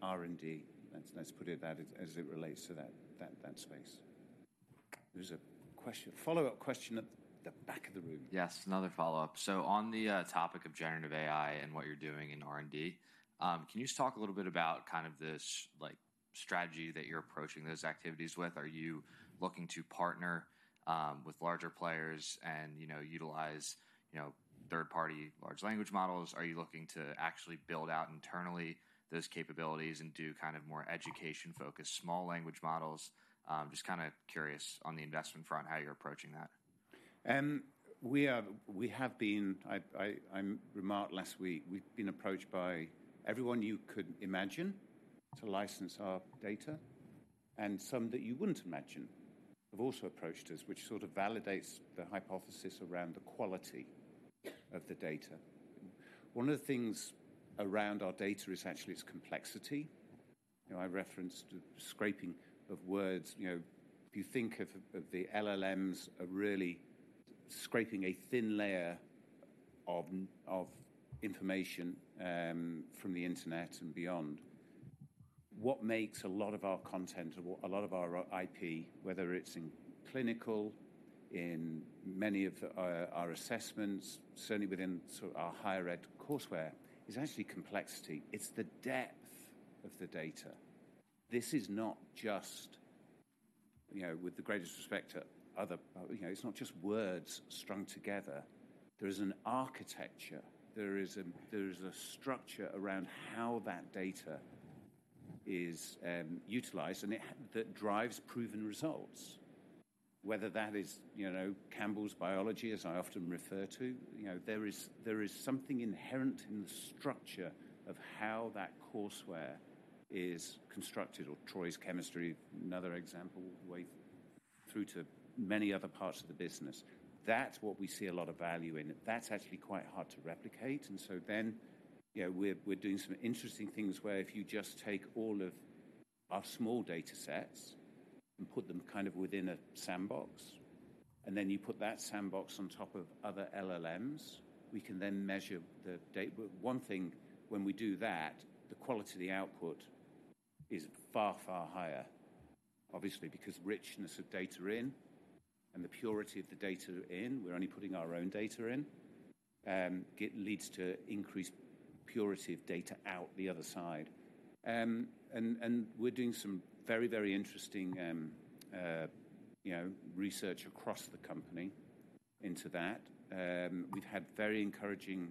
R&D. Let's put it that as it relates to that space. There's a question, follow-up question at the back of the room. Yes, another follow-up. So on the topic of generative AI and what you're doing in R&D, can you just talk a little bit about kind of this, like, strategy that you're approaching those activities with? Are you looking to partner with larger players and, you know, utilize, you know, third-party large language models? Are you looking to actually build out internally those capabilities and do kind of more education-focused, small language models? Just kinda curious on the investment front, how you're approaching that. We have been. I remarked last week, we've been approached by everyone you could imagine to license our data, and some that you wouldn't imagine have also approached us, which sort of validates the hypothesis around the quality of the data. One of the things around our data is actually its complexity. You know, I referenced scraping of words. You know, if you think of the LLMs are really scraping a thin layer of information from the internet and beyond. What makes a lot of our content, a lot of our IP, whether it's in clinical, in many of our assessments, certainly within sort of our higher ed courseware, is actually complexity. It's the depth of the data. This is not just, you know, with the greatest respect to other, you know, it's not just words strung together. There is an architecture, there is a structure around how that data is utilized, and it that drives proven results. Whether that is, you know, Campbell's Biology, as I often refer to, you know, there is something inherent in the structure of how that courseware is constructed, or Tro's Chemistry, another example, way through to many other parts of the business. That's what we see a lot of value in. That's actually quite hard to replicate, and so then, you know, we're doing some interesting things where if you just take all of our small data sets and put them kind of within a sandbox, and then you put that sandbox on top of other LLMs, we can then measure the data. But one thing, when we do that, the quality of the output is far, far higher. Obviously, because richness of data in and the purity of the data in, we're only putting our own data in, it leads to increased purity of data out the other side. And we're doing some very, very interesting, you know, research across the company into that. We've had very encouraging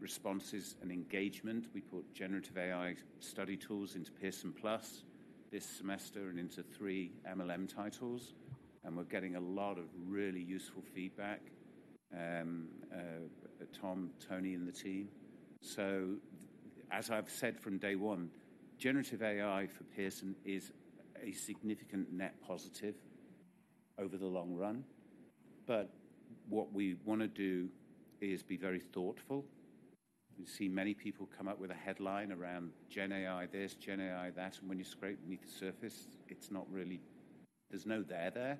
responses and engagement. We put generative AI study tools into Pearson Plus this semester and into three MLM titles, and we're getting a lot of really useful feedback, Tom, Tony, and the team. So as I've said from day one, generative AI for Pearson is a significant net positive over the long run, but what we wanna do is be very thoughtful. We've seen many people come up with a headline around 'Gen AI this, Gen AI that,' and when you scrape beneath the surface, it's not really. There's no there there.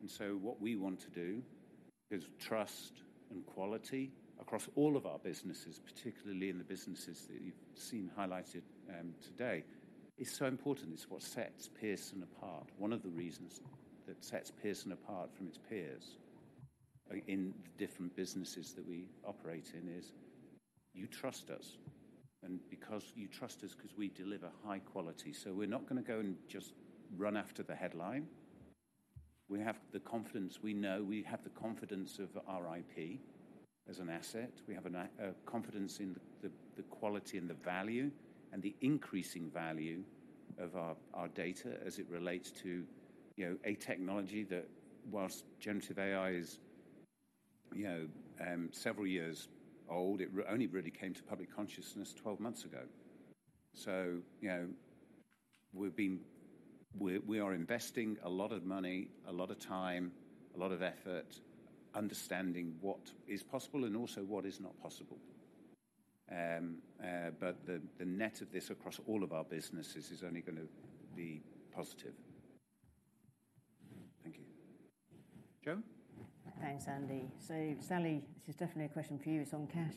And so what we want to do is trust and quality across all of our businesses, particularly in the businesses that you've seen highlighted, today. It's so important. It's what sets Pearson apart. One of the reasons that sets Pearson apart from its peers in different businesses that we operate in is, you trust us, and because you trust us, 'cause we deliver high quality. So we're not gonna go and just run after the headline. We have the confidence. We know, we have the confidence of our IP as an asset. We have a confidence in the quality and the value and the increasing value of our data as it relates to, you know, a technology that whilst Generative AI is, you know, several years old, it only really came to public consciousness 12 months ago. So, you know, we've been. We are investing a lot of money, a lot of time, a lot of effort, understanding what is possible and also what is not possible. But the net of this across all of our businesses is only gonna be positive. Thank you. Jo? Thanks, Andy. So, Sally, this is definitely a question for you. It's on cash.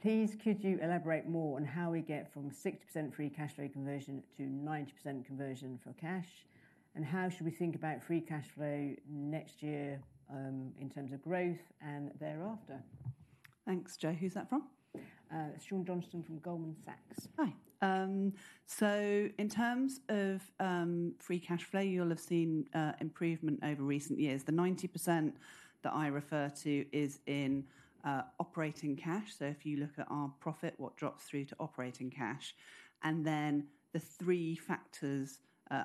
Please, could you elaborate more on how we get from 60% free cash flow conversion to 90% conversion for cash? And how should we think about free cash flow next year, in terms of growth and thereafter? Thanks, Jo. Who's that from? Sean Johnston from Goldman Sachs. Hi. So in terms of free cash flow, you'll have seen improvement over recent years. The 90% that I refer to is in operating cash. So if you look at our profit, what drops through to operating cash, and then the three factors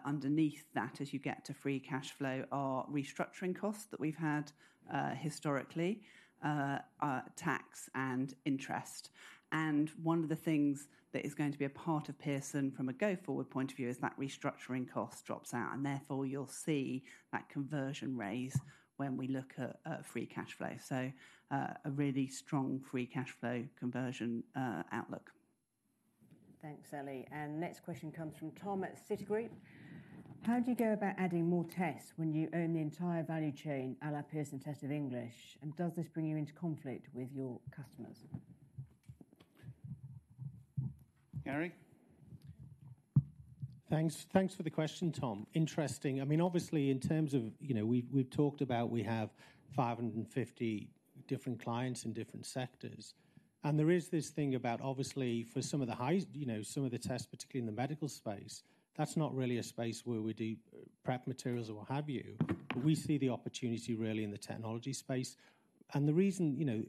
underneath that as you get to free cash flow are restructuring costs that we've had historically, tax and interest. And one of the things that is going to be a part of Pearson from a go-forward point of view is that restructuring cost drops out, and therefore, you'll see that conversion raise when we look at free cash flow. So, a really strong free cash flow conversion outlook. Thanks, Sally. Next question comes from Tom at Citigroup. How do you go about adding more tests when you own the entire value chain, à la Pearson Test of English, and does this bring you into conflict with your customers? Gary? Thanks, thanks for the question, Tom. Interesting. I mean, obviously, in terms of, you know, we've, we've talked about we have 550 different clients in different sectors, and there is this thing about, obviously, for some of the highest, you know, some of the tests, particularly in the medical space, that's not really a space where we do prep materials or what have you. We see the opportunity really in the technology space, and the reason, you know,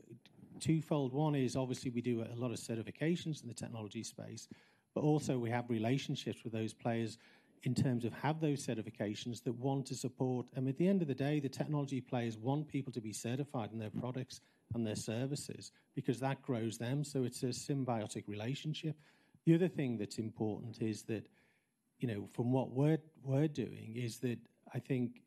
twofold. One is obviously we do a lot of certifications in the technology space, but also we have relationships with those players in terms of have those certifications that want to support... And at the end of the day, the technology players want people to be certified in their products and their services because that grows them, so it's a symbiotic relationship. The other thing that's important is that, you know, from what we're doing, is that I think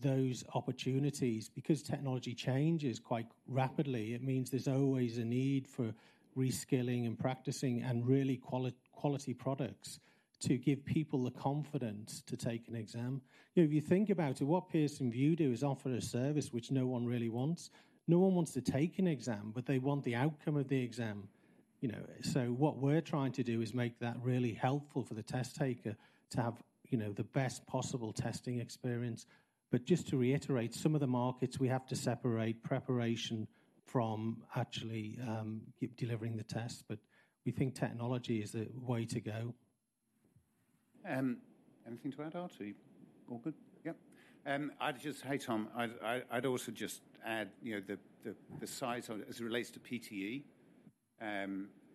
those opportunities, because technology changes quite rapidly, it means there's always a need for reskilling and practicing and really quality products to give people the confidence to take an exam. You know, if you think about it, what Pearson VUE do is offer a service which no one really wants. No one wants to take an exam, but they want the outcome of the exam, you know. So what we're trying to do is make that really helpful for the test taker to have, you know, the best possible testing experience. But just to reiterate, some of the markets we have to separate preparation from actually delivering the test, but we think technology is the way to go. Anything to add, Andy, or you all good? Yep. Hey, Tom. I'd also just add, you know, the size of it as it relates to PTE,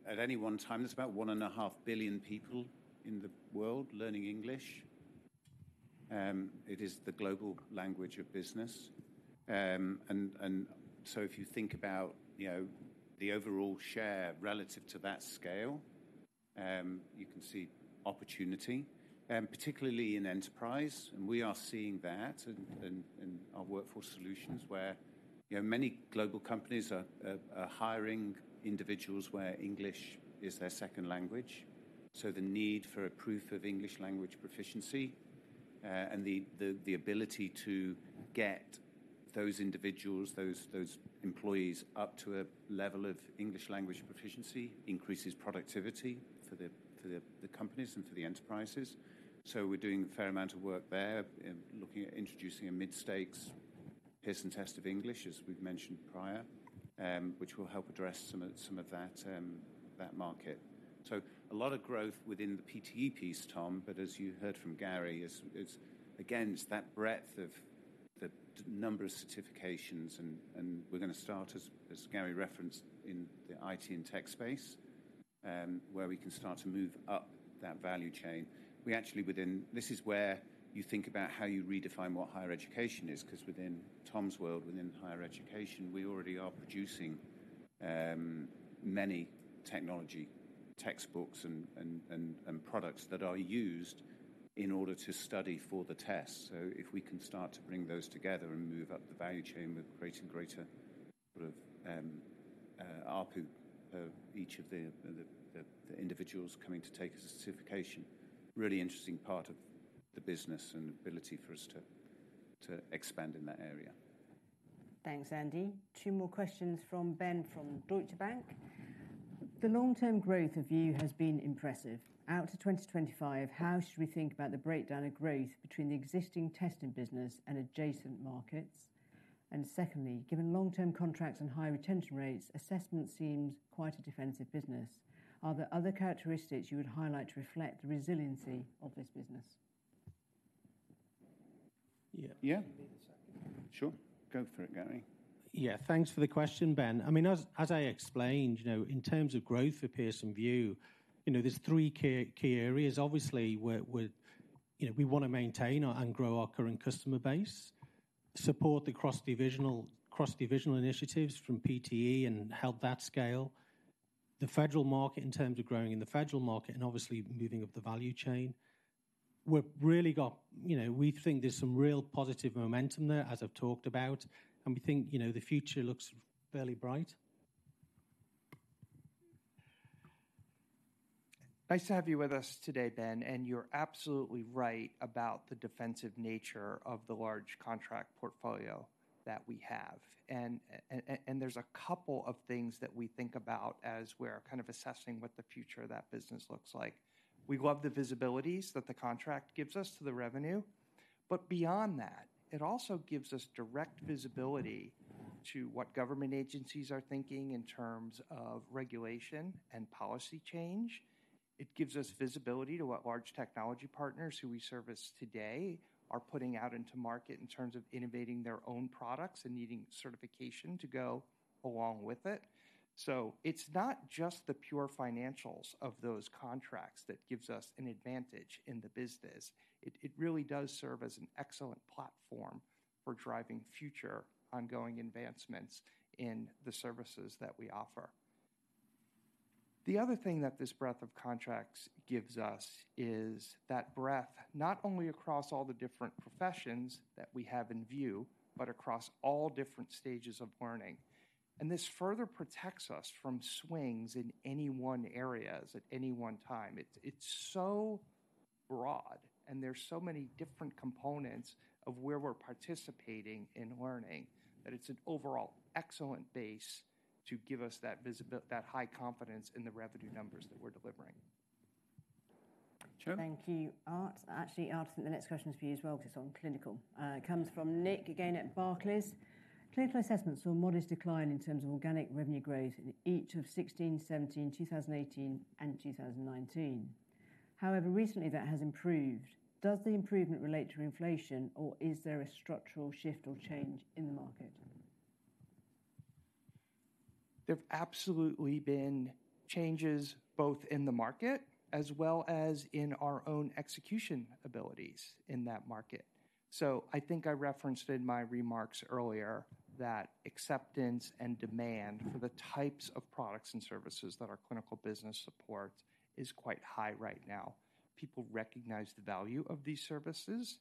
at any one time, there's about 1.5 billion people in the world learning English. It is the global language of business. And so if you think about, you know, the overall share relative to that scale, you can see opportunity, particularly in enterprise, and we are seeing that in our workforce solutions, where, you know, many global companies are hiring individuals where English is their second language. So the need for a proof of English language proficiency-... And the ability to get those individuals, those employees up to a level of English language proficiency increases productivity for the companies and for the enterprises. So we're doing a fair amount of work there in looking at introducing a mid-stakes Pearson Test of English, as we've mentioned prior, which will help address some of that market. So a lot of growth within the PTE piece, Tom, but as you heard from Gary, it's again, it's that breadth of the number of certifications and we're gonna start, as Gary referenced, in the IT and tech space, where we can start to move up that value chain. We actually within—this is where you think about how you redefine what higher education is, 'cause within Tom's world, within higher education, we already are producing many technology textbooks and products that are used in order to study for the test. So if we can start to bring those together and move up the value chain with greater and greater sort of ARPU of each of the individuals coming to take a certification. Really interesting part of the business and ability for us to expand in that area. Thanks, Andy. Two more questions from Ben, from Deutsche Bank. "The long-term growth of VUE has been impressive. Out to 2025, how should we think about the breakdown of growth between the existing testing business and adjacent markets? And secondly, given long-term contracts and high retention rates, assessment seems quite a defensive business. Are there other characteristics you would highlight to reflect the resiliency of this business? Yeah. Yeah. Give me a second. Sure. Go for it, Gary. Yeah, thanks for the question, Ben. I mean, as I explained, you know, in terms of growth for Pearson VUE, you know, there's three key areas. Obviously, we're... You know, we wanna maintain our and grow our current customer base, support the cross-divisional initiatives from PTE and help that scale. The federal market, in terms of growing in the federal market, and obviously moving up the value chain. We've really got... You know, we think there's some real positive momentum there, as I've talked about, and we think, you know, the future looks fairly bright. Nice to have you with us today, Ben, and you're absolutely right about the defensive nature of the large contract portfolio that we have. And there's a couple of things that we think about as we're kind of assessing what the future of that business looks like. We love the visibilities that the contract gives us to the revenue, but beyond that, it also gives us direct visibility to what government agencies are thinking in terms of regulation and policy change. It gives us visibility to what large technology partners who we service today are putting out into market in terms of innovating their own products and needing certification to go along with it. So it's not just the pure financials of those contracts that gives us an advantage in the business. It really does serve as an excellent platform for driving future ongoing advancements in the services that we offer. The other thing that this breadth of contracts gives us is that breadth, not only across all the different professions that we have in VUE, but across all different stages of learning, and this further protects us from swings in any one areas at any one time. It's so broad, and there's so many different components of where we're participating in learning, that it's an overall excellent base to give us that visibility, that high confidence in the revenue numbers that we're delivering. Sure. Thank you, Art. Actually, Art, the next question is for you as well, 'cause it's on clinical. It comes from Nick, again, at Barclays. "Clinical assessments saw a modest decline in terms of organic revenue growth in each of 2016, 2017, 2018, and 2019. However, recently, that has improved. Does the improvement relate to inflation, or is there a structural shift or change in the market? There have absolutely been changes, both in the market as well as in our own execution abilities in that market. So I think I referenced in my remarks earlier that acceptance and demand for the types of products and services that our clinical business supports is quite high right now. People recognize the value of these services.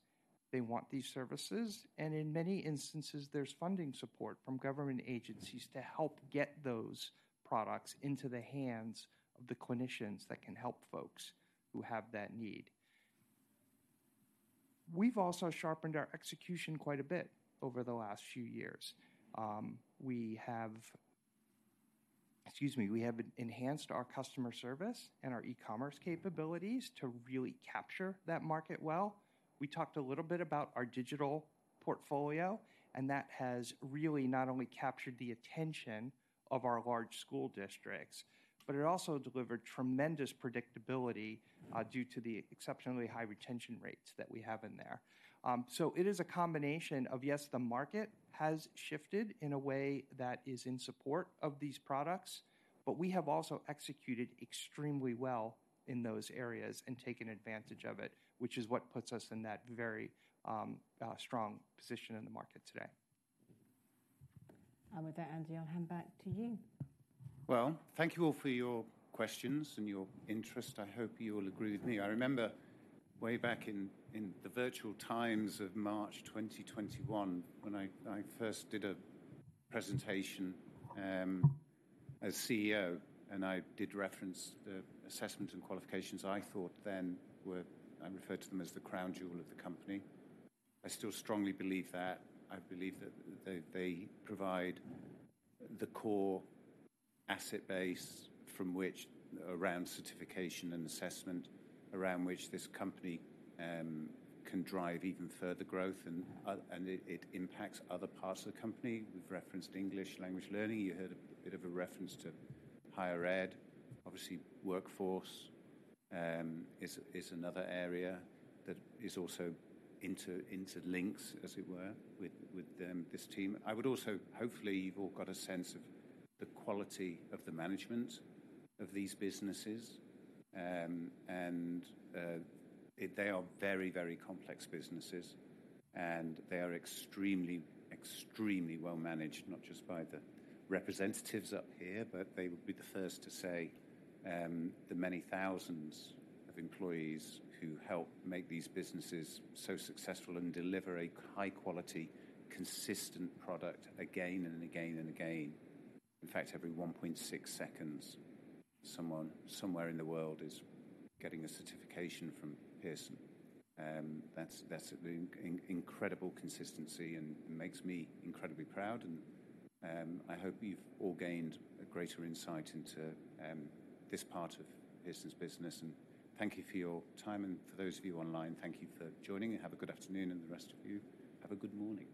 They want these services, and in many instances, there's funding support from government agencies to help get those products into the hands of the clinicians that can help folks who have that need. We've also sharpened our execution quite a bit over the last few years. We have enhanced our customer service and our e-commerce capabilities to really capture that market well. We talked a little bit about our digital portfolio, and that has really not only captured the attention of our large school districts, but it also delivered tremendous predictability, due to the exceptionally high retention rates that we have in there. So it is a combination of, yes, the market has shifted in a way that is in support of these products, but we have also executed extremely well in those areas and taken advantage of it, which is what puts us in that very strong position in the market today. With that, Andy, I'll hand back to you. Well, thank you all for your questions and your interest. I hope you all agree with me. I remember way back in the virtual times of March 2021, when I first did a presentation as CEO, and I did reference the Assessments and Qualifications I thought then were... I referred to them as the crown jewel of the company. I still strongly believe that. I believe that they provide the core asset base from which, around certification and assessment, around which this company can drive even further growth, and it impacts other parts of the company. We've referenced English Language Learning. You heard a bit of a reference to higher ed. Obviously, workforce is another area that is also interlinks, as it were, with this team. I would also... Hopefully, you've all got a sense of the quality of the management of these businesses, and they are very, very complex businesses, and they are extremely, extremely well managed, not just by the representatives up here, but they will be the first to say, the many thousands of employees who help make these businesses so successful and deliver a high-quality, consistent product again and again and again. In fact, every 1.6 seconds, someone, somewhere in the world is getting a certification from Pearson. That's an incredible consistency and makes me incredibly proud, and I hope you've all gained a greater insight into this part of Pearson's business. And thank you for your time, and for those of you online, thank you for joining, and have a good afternoon, and the rest of you, have a good morning.